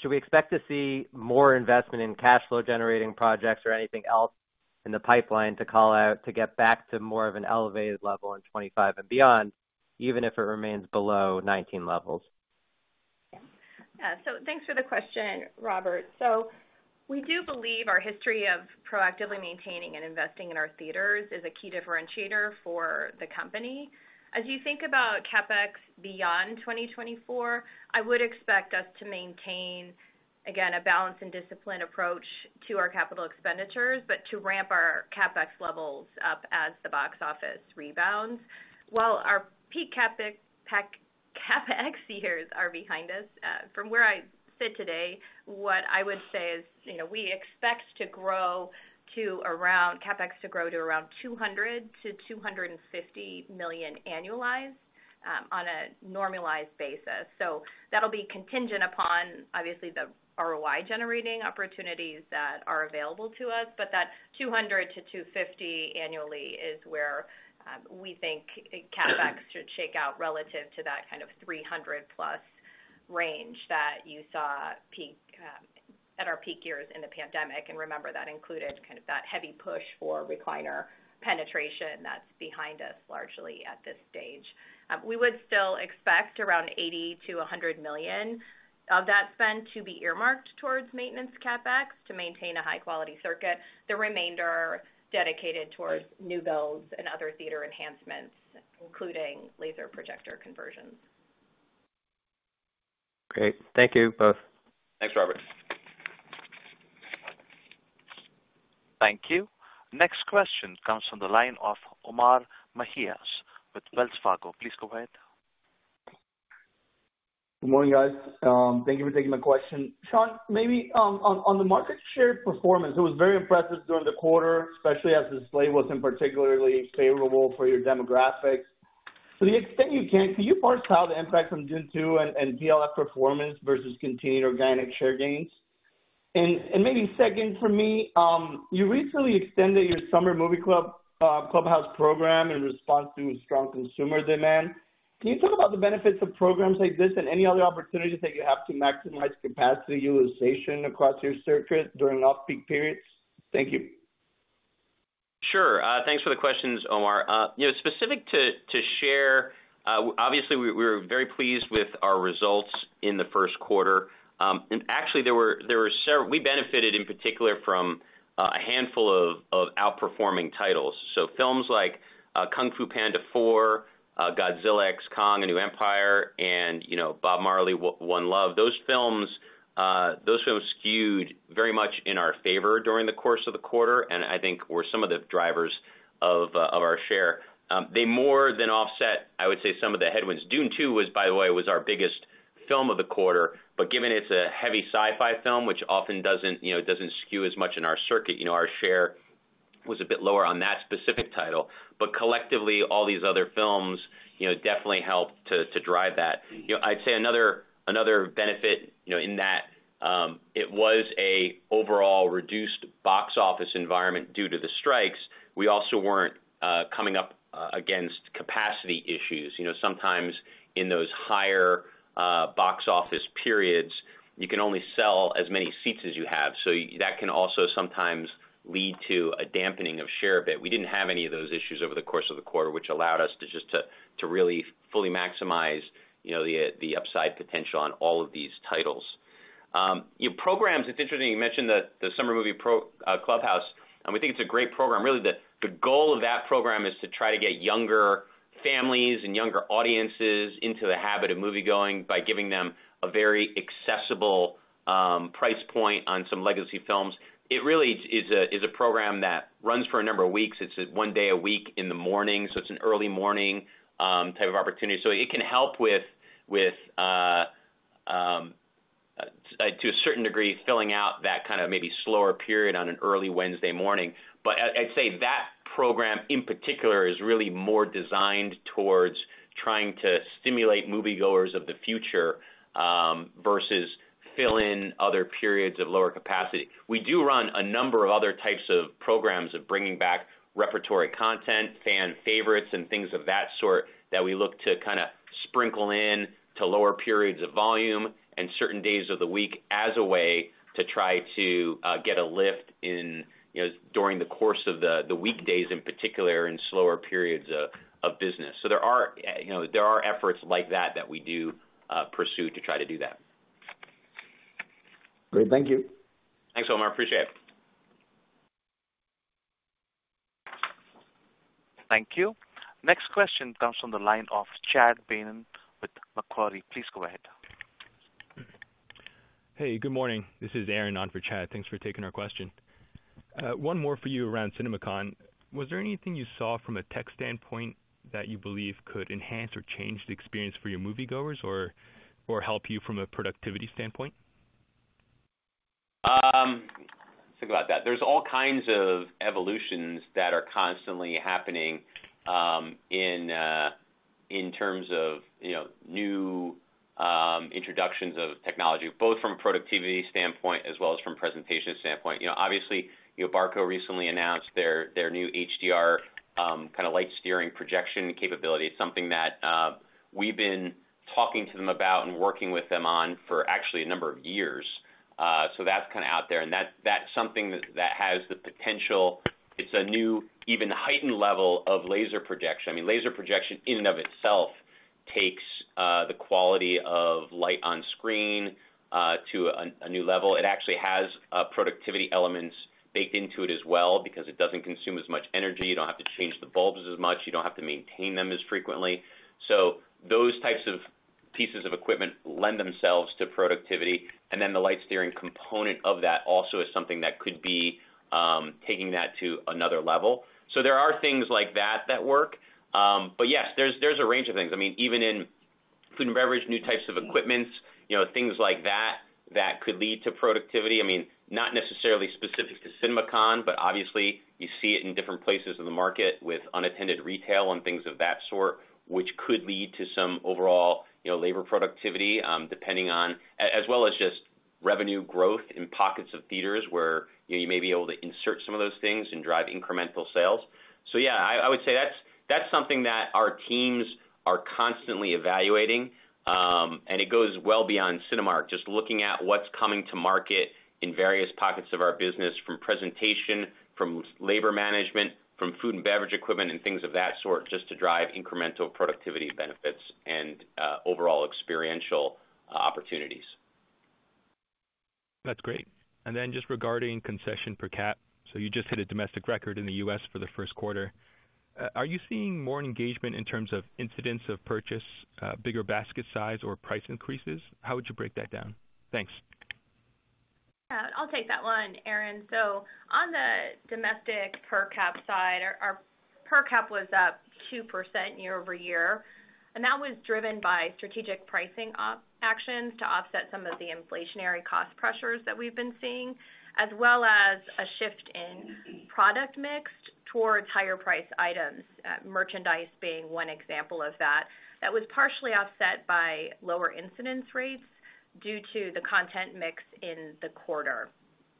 Should we expect to see more investment in cash flow-generating projects or anything else in the pipeline to call out to get back to more of an elevated level in 2025 and beyond, even if it remains below 2019 levels? Yeah. So thanks for the question, Robert. So we do believe our history of proactively maintaining and investing in our theaters is a key differentiator for the company. As you think about CapEx beyond 2024, I would expect us to maintain, again, a balanced and disciplined approach to our capital expenditures, but to ramp our CapEx levels up as the box office rebounds. While our peak CapEx years are behind us, from where I sit today, what I would say is, you know, we expect to grow to around CapEx to grow to around $200 million-$250 million annualized, on a normalized basis. So that'll be contingent upon, obviously, the ROI-generating opportunities that are available to us, but that $200 million-$250 million annually is where, we think CapEx should shake out relative to that kind of $300+ range that you saw peak at our peak years in the pandemic, and remember, that included kind of that heavy push for recliner penetration that's behind us largely at this stage. We would still expect around $80 million-$100 million of that spend to be earmarked towards maintenance CapEx to maintain a high-quality circuit. The remainder dedicated towards new builds and other theater enhancements, including laser projector conversions. Great. Thank you, both. Thanks, Robert. Thank you. Next question comes from the line of Omar Mejias with Wells Fargo. Please go ahead. Good morning, guys. Thank you for taking my question. Sean, maybe on the market share performance, it was very impressive during the quarter, especially as the slate wasn't particularly favorable for your demographics. To the extent you can, can you parse out the impact from Dune 2 and PLF performance versus continued organic share gains? And maybe second for me, you recently extended your Summer Movie Clubhouse program in response to strong consumer demand. Can you talk about the benefits of programs like this and any other opportunities that you have to maximize capacity utilization across your circuits during off-peak periods? Thank you. Sure. Thanks for the questions, Omar. You know, specific to share, obviously, we were very pleased with our results in the first quarter. Actually, we benefited, in particular, from a handful of outperforming titles. Films like Kung Fu Panda 4, Godzilla x Kong: The New Empire, and, you know, Bob Marley: One Love, those films skewed very much in our favor during the course of the quarter, and I think were some of the drivers of our share. They more than offset, I would say, some of the headwinds. Dune 2 was, by the way, our biggest film of the quarter, but given it's a heavy sci-fi film, which often doesn't, you know, doesn't skew as much in our circuit, you know, our share was a bit lower on that specific title. But collectively, all these other films, you know, definitely helped to drive that. You know, I'd say another benefit, you know, in that it was an overall reduced box office environment due to the strikes. We also weren't coming up against capacity issues. You know, sometimes in those higher box office periods, you can only sell as many seats as you have, so that can also sometimes lead to a dampening of share a bit. We didn't have any of those issues over the course of the quarter, which allowed us to just to really fully maximize, you know, the upside potential on all of these titles. You know, programs, it's interesting you mentioned the Summer Movie Clubhouse, and we think it's a great program. Really, the goal of that program is to try to get younger families and younger audiences into the habit of moviegoing by giving them a very accessible price point on some legacy films. It really is a program that runs for a number of weeks. It's one day a week in the morning, so it's an early morning type of opportunity. So it can help with, to a certain degree, filling out that kind of maybe slower period on an early Wednesday morning. But I'd say that program, in particular, is really more designed towards trying to stimulate moviegoers of the future, versus fill in other periods of lower capacity. We do run a number of other types of programs of bringing back repertory content, fan favorites, and things of that sort, that we look to kinda sprinkle in to lower periods of volume and certain days of the week as a way to try to get a lift in, you know, during the course of the weekdays, in particular, in slower periods of business. So, you know, there are efforts like that, that we do pursue to try to do that. Great. Thank you. Thanks, Omar. I appreciate it. Thank you. Next question comes from the line of Chad Beynon with Macquarie. Please go ahead. Hey, good morning. This is Aaron on for Chad. Thanks for taking our question. One more for you around CinemaCon. Was there anything you saw from a tech standpoint that you believe could enhance or change the experience for your moviegoers or, or help you from a productivity standpoint? Let's think about that. There's all kinds of evolutions that are constantly happening in terms of, you know, new introductions of technology, both from a productivity standpoint as well as from a presentation standpoint. You know, obviously, you know, Barco recently announced their new HDR kinda light steering projection capability. Something that we've been talking to them about and working with them on for actually a number of years. So that's kinda out there, and that's something that has the potential... It's a new, even heightened level of laser projection. I mean, laser projection in and of itself takes the quality of light on screen to a new level. It actually has productivity elements baked into it as well, because it doesn't consume as much energy. You don't have to change the bulbs as much, you don't have to maintain them as frequently. So those types of pieces of equipment lend themselves to productivity, and then the light steering component of that also is something that could be taking that to another level. So there are things like that that work. But yes, there's a range of things. I mean, even in food and beverage, new types of equipments, you know, things like that, that could lead to productivity. I mean, not necessarily specific to CinemaCon, but obviously you see it in different places in the market with unattended retail and things of that sort, which could lead to some overall, you know, labor productivity, depending on-... As well as just revenue growth in pockets of theaters where, you know, you may be able to insert some of those things and drive incremental sales. So yeah, I would say that's something that our teams are constantly evaluating, and it goes well beyond Cinemark. Just looking at what's coming to market in various pockets of our business, from presentation, from labor management, from food and beverage equipment, and things of that sort, just to drive incremental productivity benefits and overall experiential opportunities. That's great. And then just regarding concession per cap. So you just hit a domestic record in the U.S. for the first quarter. Are you seeing more engagement in terms of incidence of purchase, bigger basket size or price increases? How would you break that down? Thanks. I'll take that one, Aaron. So on the domestic per cap side, our per cap was up 2% year-over-year, and that was driven by strategic pricing actions to offset some of the inflationary cost pressures that we've been seeing, as well as a shift in product mix towards higher-priced items, merchandise being one example of that. That was partially offset by lower incidence rates due to the content mix in the quarter.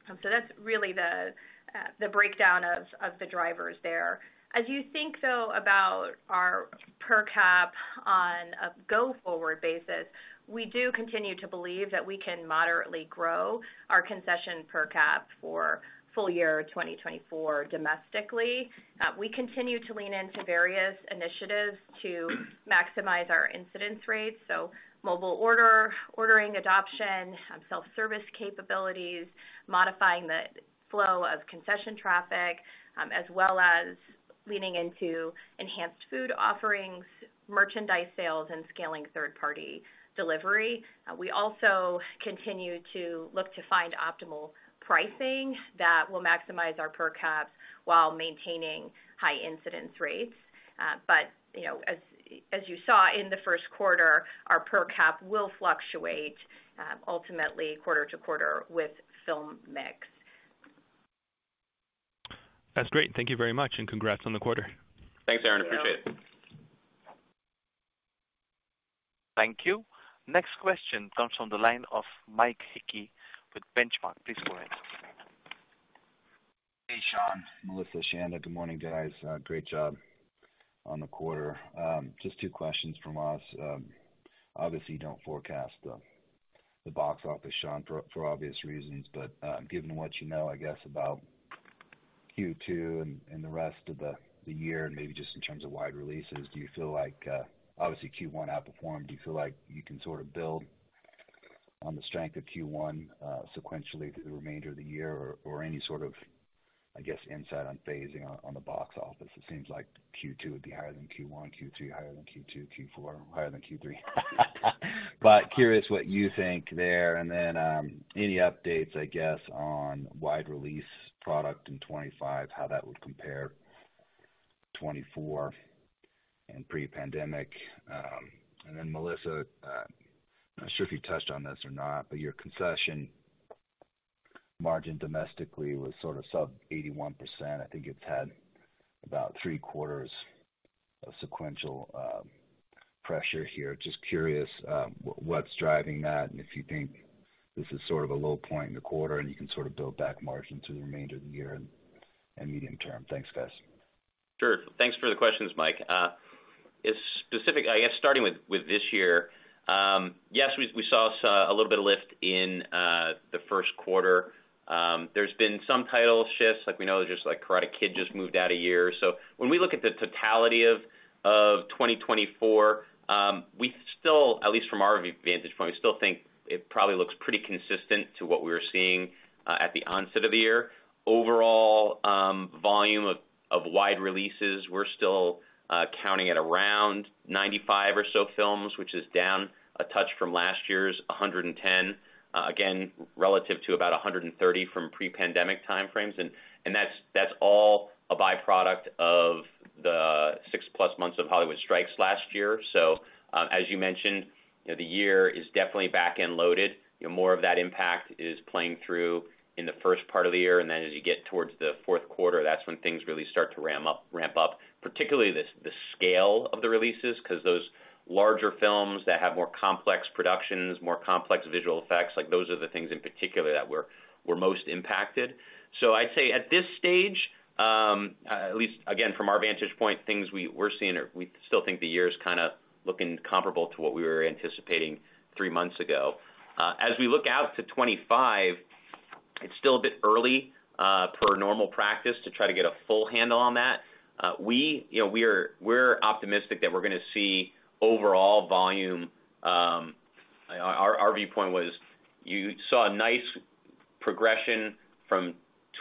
So that's really the breakdown of the drivers there. As you think, though, about our per cap on a go-forward basis, we do continue to believe that we can moderately grow our concession per cap for full year 2024 domestically. We continue to lean into various initiatives to maximize our incidence rates, so mobile ordering adoption, self-service capabilities, modifying the flow of concession traffic, as well as leaning into enhanced food offerings, merchandise sales, and scaling third-party delivery. We also continue to look to find optimal pricing that will maximize our per cap while maintaining high incidence rates. But, you know, as you saw in the first quarter, our per cap will fluctuate, ultimately quarter to quarter with film mix. That's great. Thank you very much, and congrats on the quarter. Thanks, Aaron. Appreciate it. Thank you. Next question comes from the line of Mike Hickey with Benchmark. Please go ahead. Hey, Sean, Melissa, Chanda. Good morning, guys. Great job on the quarter. Just two questions from us. Obviously, you don't forecast the box office, Sean, for obvious reasons, but given what you know, I guess, about Q2 and the rest of the year, and maybe just in terms of wide releases, do you feel like, obviously, Q1 outperformed? Do you feel like you can sort of build on the strength of Q1 sequentially through the remainder of the year? Or any sort of, I guess, insight on phasing on the box office? It seems like Q2 would be higher than Q1, Q3 higher than Q2, Q4 higher than Q3. But curious what you think there. And then, any updates, I guess, on wide release product in 2025, how that would compare to 2024 and pre-pandemic? And then, Melissa, not sure if you touched on this or not, but your concession margin domestically was sort of sub 81%. I think it's had about three quarters of sequential pressure here. Just curious, what's driving that, and if you think this is sort of a low point in the quarter, and you can sort of build back margin through the remainder of the year and medium term. Thanks, guys. Sure. Thanks for the questions, Mike. It's specific. I guess starting with this year, yes, we saw a little bit of lift in the first quarter. There's been some title shifts, like we know, just like Karate Kid just moved out a year. So when we look at the totality of 2024, we still, at least from our vantage point, we still think it probably looks pretty consistent to what we were seeing at the onset of the year. Overall, volume of wide releases, we're still counting at around 95 or so films, which is down a touch from last year's 110. Again, relative to about 130 from pre-pandemic timeframes. And that's all a byproduct of the 6+ months of Hollywood strikes last year. So, as you mentioned, you know, the year is definitely back-end loaded. You know, more of that impact is playing through in the first part of the year, and then as you get towards the fourth quarter, that's when things really start to ramp up, particularly the scale of the releases, 'cause those larger films that have more complex productions, more complex visual effects, like, those are the things in particular that were most impacted. So I'd say, at this stage, at least again, from our vantage point, things we're seeing are... We still think the year is kind of looking comparable to what we were anticipating three months ago. As we look out to 2025, it's still a bit early, per normal practice, to try to get a full handle on that. You know, we're optimistic that we're gonna see overall volume. Our viewpoint was, you saw a nice progression from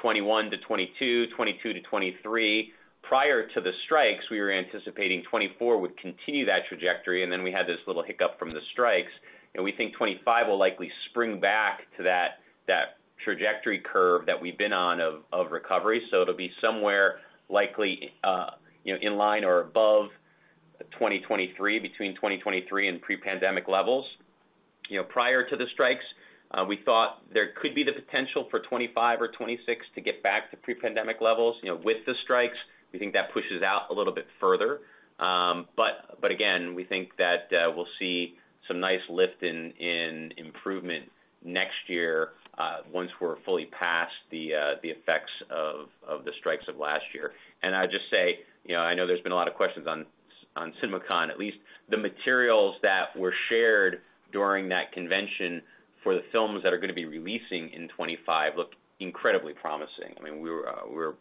2021 to 2022, 2022 to 2023. Prior to the strikes, we were anticipating 2024 would continue that trajectory, and then we had this little hiccup from the strikes, and we think 2025 will likely spring back to that trajectory curve that we've been on of recovery. So it'll be somewhere likely, you know, in line or above 2023, between 2023 and pre-pandemic levels. You know, prior to the strikes, we thought there could be the potential for 2025 or 2026 to get back to pre-pandemic levels. You know, with the strikes, we think that pushes out a little bit further. But again, we think that we'll see some nice lift in improvement next year, once we're fully past the effects of the strikes of last year. And I'd just say, you know, I know there's been a lot of questions on CinemaCon. At least the materials that were shared during that convention for the films that are gonna be releasing in 2025 look incredibly promising. I mean, we were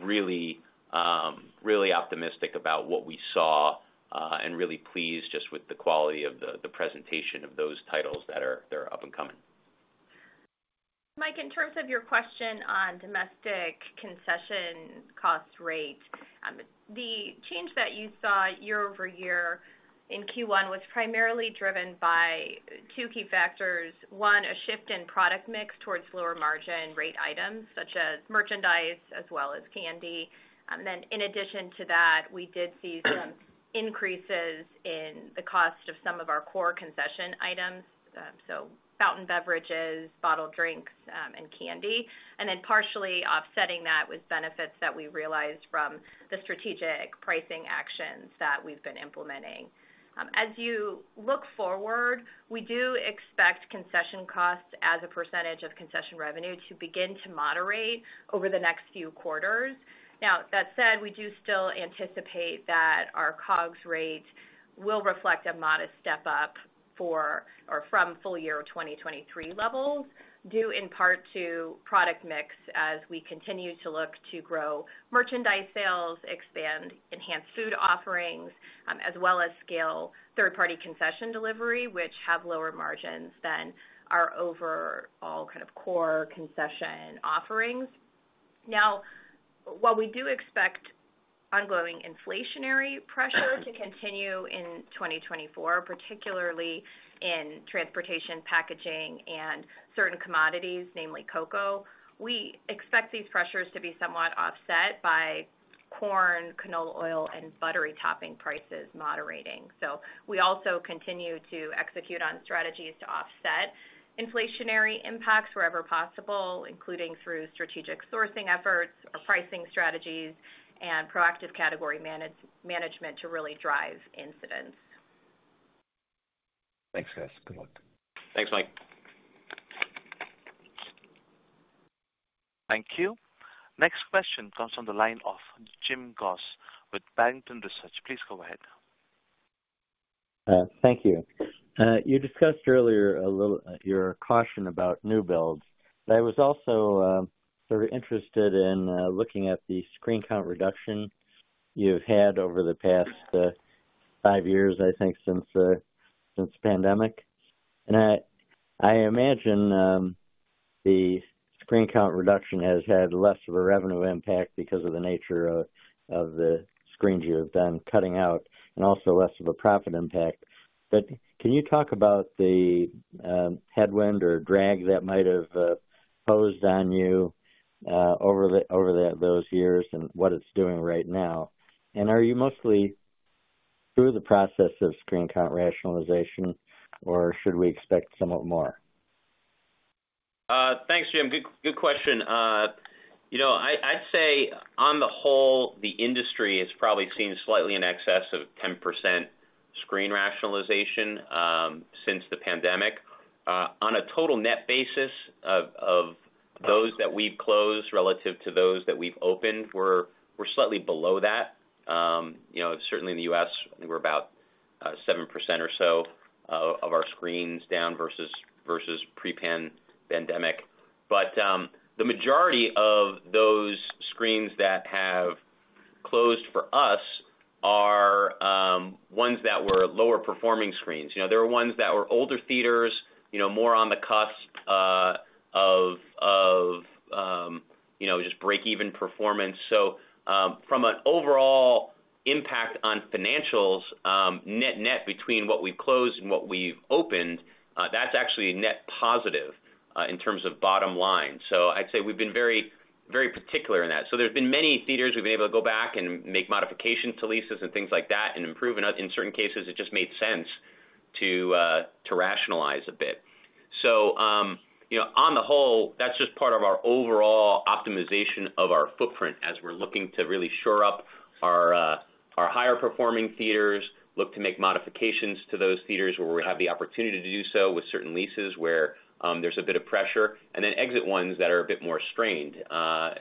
really optimistic about what we saw, and really pleased just with the quality of the presentation of those titles that are up and coming. Mike, in terms of your question on domestic concession cost rate, the change that you saw year-over-year in Q1 was primarily driven by two key factors. One, a shift in product mix towards lower margin rate items, such as merchandise as well as candy. Then in addition to that, we did see some increases in the cost of some of our core concession items, so fountain beverages, bottled drinks, and candy. And then partially offsetting that with benefits that we realized from the strategic pricing actions that we've been implementing. As you look forward, we do expect concession costs as a percentage of concession revenue to begin to moderate over the next few quarters. Now, that said, we do still anticipate that our COGS rate will reflect a modest step up for or from full year 2023 levels, due in part to product mix as we continue to look to grow merchandise sales, expand enhanced food offerings, as well as scale third-party concession delivery, which have lower margins than our overall kind of core concession offerings. Now, while we do expect ongoing inflationary pressure to continue in 2024, particularly in transportation, packaging, and certain commodities, namely cocoa, we expect these pressures to be somewhat offset by corn, canola oil, and buttery topping prices moderating. So we also continue to execute on strategies to offset inflationary impacts wherever possible, including through strategic sourcing efforts or pricing strategies and proactive category management to really drive efficiencies. Thanks, guys. Good luck. Thanks, Mike. Thank you. Next question comes from the line of Jim Goss with Barrington Research. Please go ahead. Thank you. You discussed earlier a little your caution about new builds, but I was also sort of interested in looking at the screen count reduction you've had over the past five years, I think, since pandemic. I imagine the screen count reduction has had less of a revenue impact because of the nature of the screens you've done, cutting out and also less of a profit impact. Can you talk about the headwind or drag that might have posed on you over those years and what it's doing right now? Are you mostly through the process of screen count rationalization, or should we expect somewhat more? Thanks, Jim. Good, good question. You know, I, I'd say on the whole, the industry has probably seen slightly in excess of 10% screen rationalization, since the pandemic. On a total net basis of, of those that we've closed relative to those that we've opened, we're, we're slightly below that. You know, certainly in the U.S., we're about, 7% or so of, of our screens down versus, versus pre-pandemic. But, the majority of those screens that have closed for us are, ones that were lower performing screens. You know, there were ones that were older theaters, you know, more on the cusp, of, of, you know, just break-even performance. So, from an overall impact on financials, net/net between what we've closed and what we've opened, that's actually a net positive, in terms of bottom line. So I'd say we've been very, very particular in that. So there's been many theaters we've been able to go back and make modifications to leases and things like that and improve, and in certain cases, it just made sense to rationalize a bit. So, you know, on the whole, that's just part of our overall optimization of our footprint as we're looking to really shore up our higher performing theaters, look to make modifications to those theaters, where we have the opportunity to do so with certain leases, where there's a bit of pressure, and then exit ones that are a bit more strained,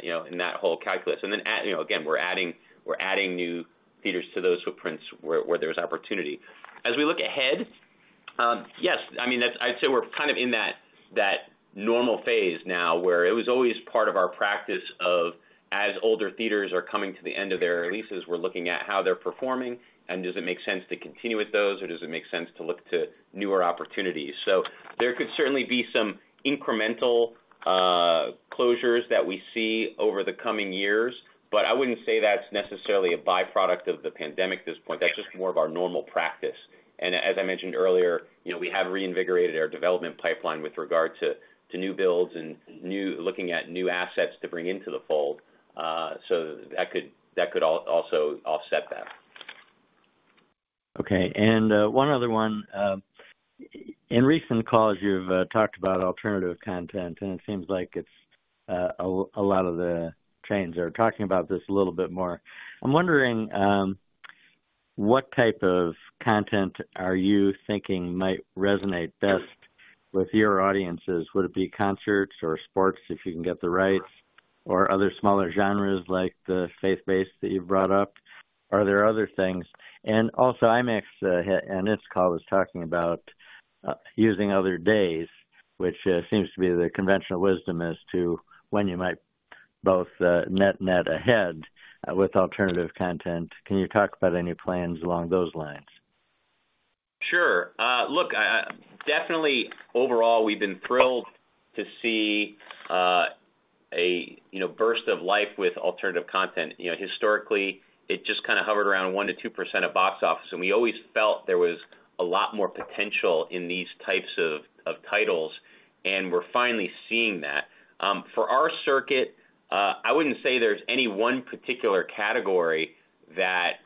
you know, in that whole calculus. And then, you know, again, we're adding, we're adding new theaters to those footprints where there's opportunity. As we look ahead, yes, I mean, that's... I'd say we're kind of in that normal phase now, where it was always part of our practice of, as older theaters are coming to the end of their leases, we're looking at how they're performing, and does it make sense to continue with those, or does it make sense to look to newer opportunities? So there could certainly be some incremental closures that we see over the coming years, but I wouldn't say that's necessarily a by-product of the pandemic at this point. That's just more of our normal... And as I mentioned earlier, you know, we have reinvigorated our development pipeline with regard to new builds and looking at new assets to bring into the fold. So that could also offset that. Okay. And one other one. In recent calls, you've talked about alternative content, and it seems like it's a lot of the chains are talking about this a little bit more. I'm wondering, what type of content are you thinking might resonate best with your audiences? Would it be concerts or sports, if you can get the rights, or other smaller genres like the faith-based that you've brought up? Are there other things? And also, IMAX, in its call, was talking about using other days, which seems to be the conventional wisdom as to when you might both net net ahead with alternative content. Can you talk about any plans along those lines? Sure. Look, I definitely, overall, we've been thrilled to see, you know, burst of life with alternative content. You know, historically, it just kind of hovered around 1%-2% of box office, and we always felt there was a lot more potential in these types of titles, and we're finally seeing that. For our circuit, I wouldn't say there's any one particular category that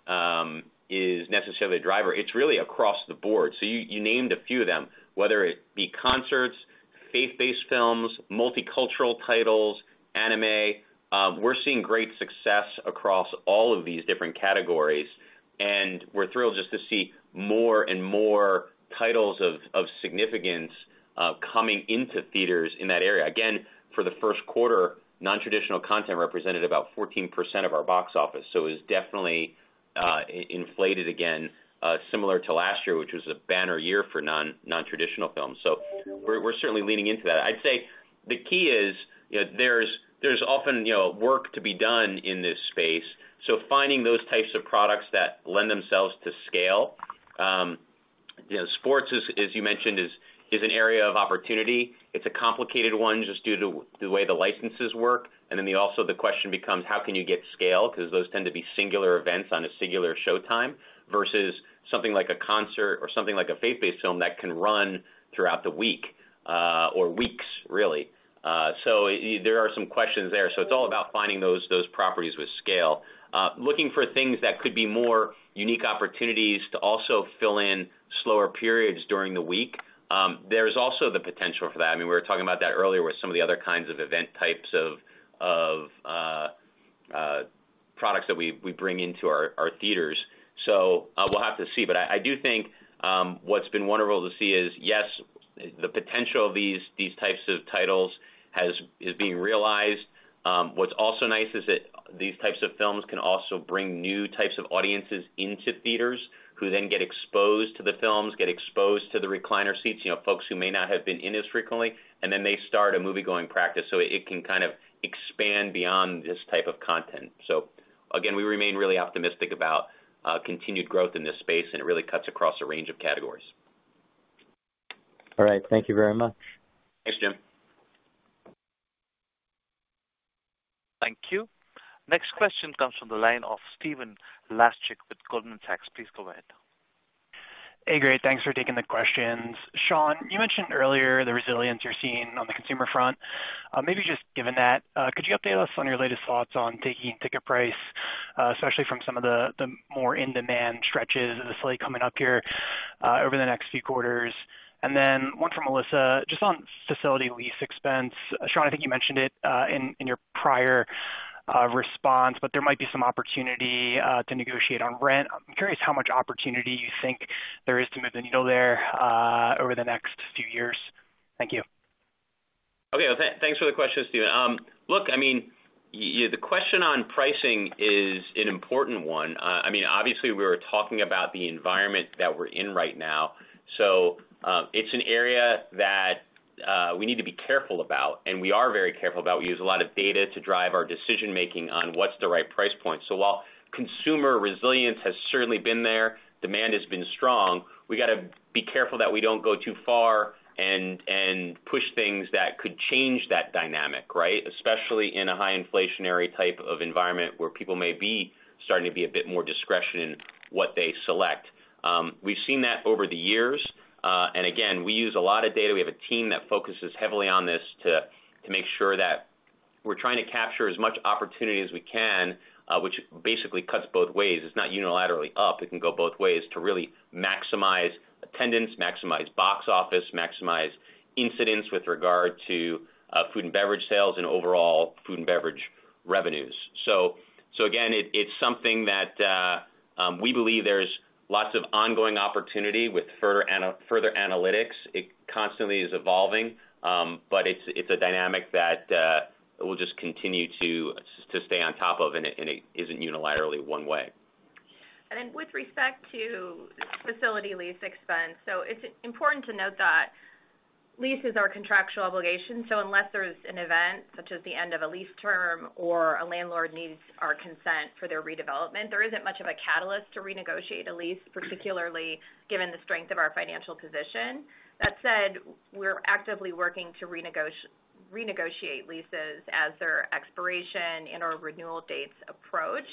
is necessarily a driver. It's really across the board. So you named a few of them, whether it be concerts, faith-based films, multicultural titles, anime, we're seeing great success across all of these different categories, and we're thrilled just to see more and more titles of significance coming into theaters in that area. Again, for the first quarter, nontraditional content represented about 14% of our box office, so it's definitely inflated again, similar to last year, which was a banner year for nontraditional films. So we're certainly leaning into that. I'd say the key is, you know, there's often, you know, work to be done in this space, so finding those types of products that lend themselves to scale. You know, sports is, as you mentioned, an area of opportunity. It's a complicated one, just due to the way the licenses work. And then also the question becomes: how can you get scale? Because those tend to be singular events on a singular showtime, versus something like a concert or something like a faith-based film that can run throughout the week, or weeks, really. So there are some questions there. So it's all about finding those properties with scale. Looking for things that could be more unique opportunities to also fill in slower periods during the week, there's also the potential for that. I mean, we were talking about that earlier with some of the other kinds of event types of products that we bring into our theaters. So, we'll have to see. But I do think what's been wonderful to see is, yes, the potential of these types of titles has-is being realized. What's also nice is that these types of films can also bring new types of audiences into theaters, who then get exposed to the films, get exposed to the recliner seats, you know, folks who may not have been in as frequently, and then they start a moviegoing practice, so it can kind of expand beyond just type of content. So again, we remain really optimistic about continued growth in this space, and it really cuts across a range of categories. All right. Thank you very much. Thanks, Jim. Thank you. Next question comes from the line of Stephen Laszczyk with Goldman Sachs. Please go ahead. Hey, great. Thanks for taking the questions. Sean, you mentioned earlier the resilience you're seeing on the consumer front. Maybe just given that, could you update us on your latest thoughts on ticketing, ticket price, especially from some of the more in-demand stretches of the slate coming up here, over the next few quarters? And then one for Melissa, just on facility lease expense. Sean, I think you mentioned it, in your prior response, but there might be some opportunity, to negotiate on rent. I'm curious how much opportunity you think there is to move the needle there, over the next few years. Thank you. Okay. Well, thanks for the question, Stephen. Look, I mean, the question on pricing is an important one. I mean, obviously, we're talking about the environment that we're in right now, so, it's an area that we need to be careful about, and we are very careful about. We use a lot of data to drive our decision-making on what's the right price point. So while consumer resilience has certainly been there, demand has been strong, we got to be careful that we don't go too far and push things that could change that dynamic, right? Especially in a high inflationary type of environment, where people may be starting to be a bit more discretion in what they select. We've seen that over the years. And again, we use a lot of data. We have a team that focuses heavily on this to make sure that we're trying to capture as much opportunity as we can, which basically cuts both ways. It's not unilaterally up. It can go both ways to really maximize attendance, maximize box office, maximize incidence with regard to food and beverage sales, and overall food and beverage revenues. So again, it's something that we believe there's lots of ongoing opportunity with further analytics. It constantly is evolving, but it's a dynamic that we'll just continue to stay on top of, and it isn't unilaterally one way. With respect to facility lease expense, so it's important to note that leases are contractual obligations, so unless there's an event, such as the end of a lease term or a landlord needs our consent for their redevelopment, there isn't much of a catalyst to renegotiate a lease, particularly given the strength of our financial position. That said, we're actively working to renegotiate leases as their expiration and/or renewal dates approach.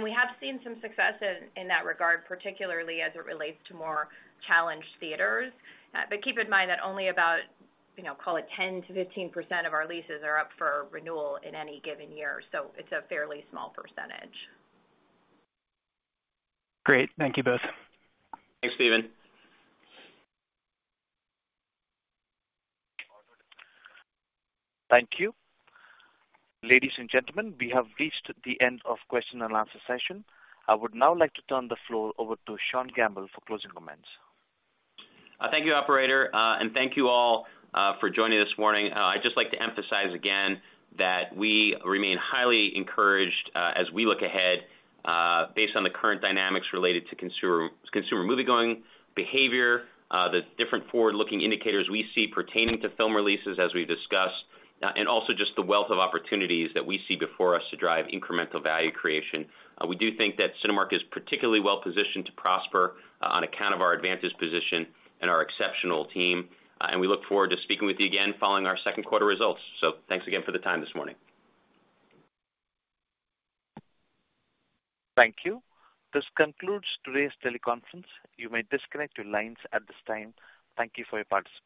We have seen some success in that regard, particularly as it relates to more challenged theaters. But keep in mind that only about, you know, call it 10%-15% of our leases are up for renewal in any given year, so it's a fairly small percentage. Great. Thank you both. Thanks, Stephen. Thank you. Ladies and gentlemen, we have reached the end of question and answer session. I would now like to turn the floor over to Sean Gamble for closing comments. Thank you, operator, and thank you all for joining this morning. I'd just like to emphasize again that we remain highly encouraged, as we look ahead, based on the current dynamics related to consumer moviegoing behavior, the different forward-looking indicators we see pertaining to film releases, as we've discussed, and also just the wealth of opportunities that we see before us to drive incremental value creation. We do think that Cinemark is particularly well positioned to prosper, on account of our advantageous position and our exceptional team, and we look forward to speaking with you again following our second quarter results. So thanks again for the time this morning. Thank you. This concludes today's teleconference. You may disconnect your lines at this time. Thank you for your participation.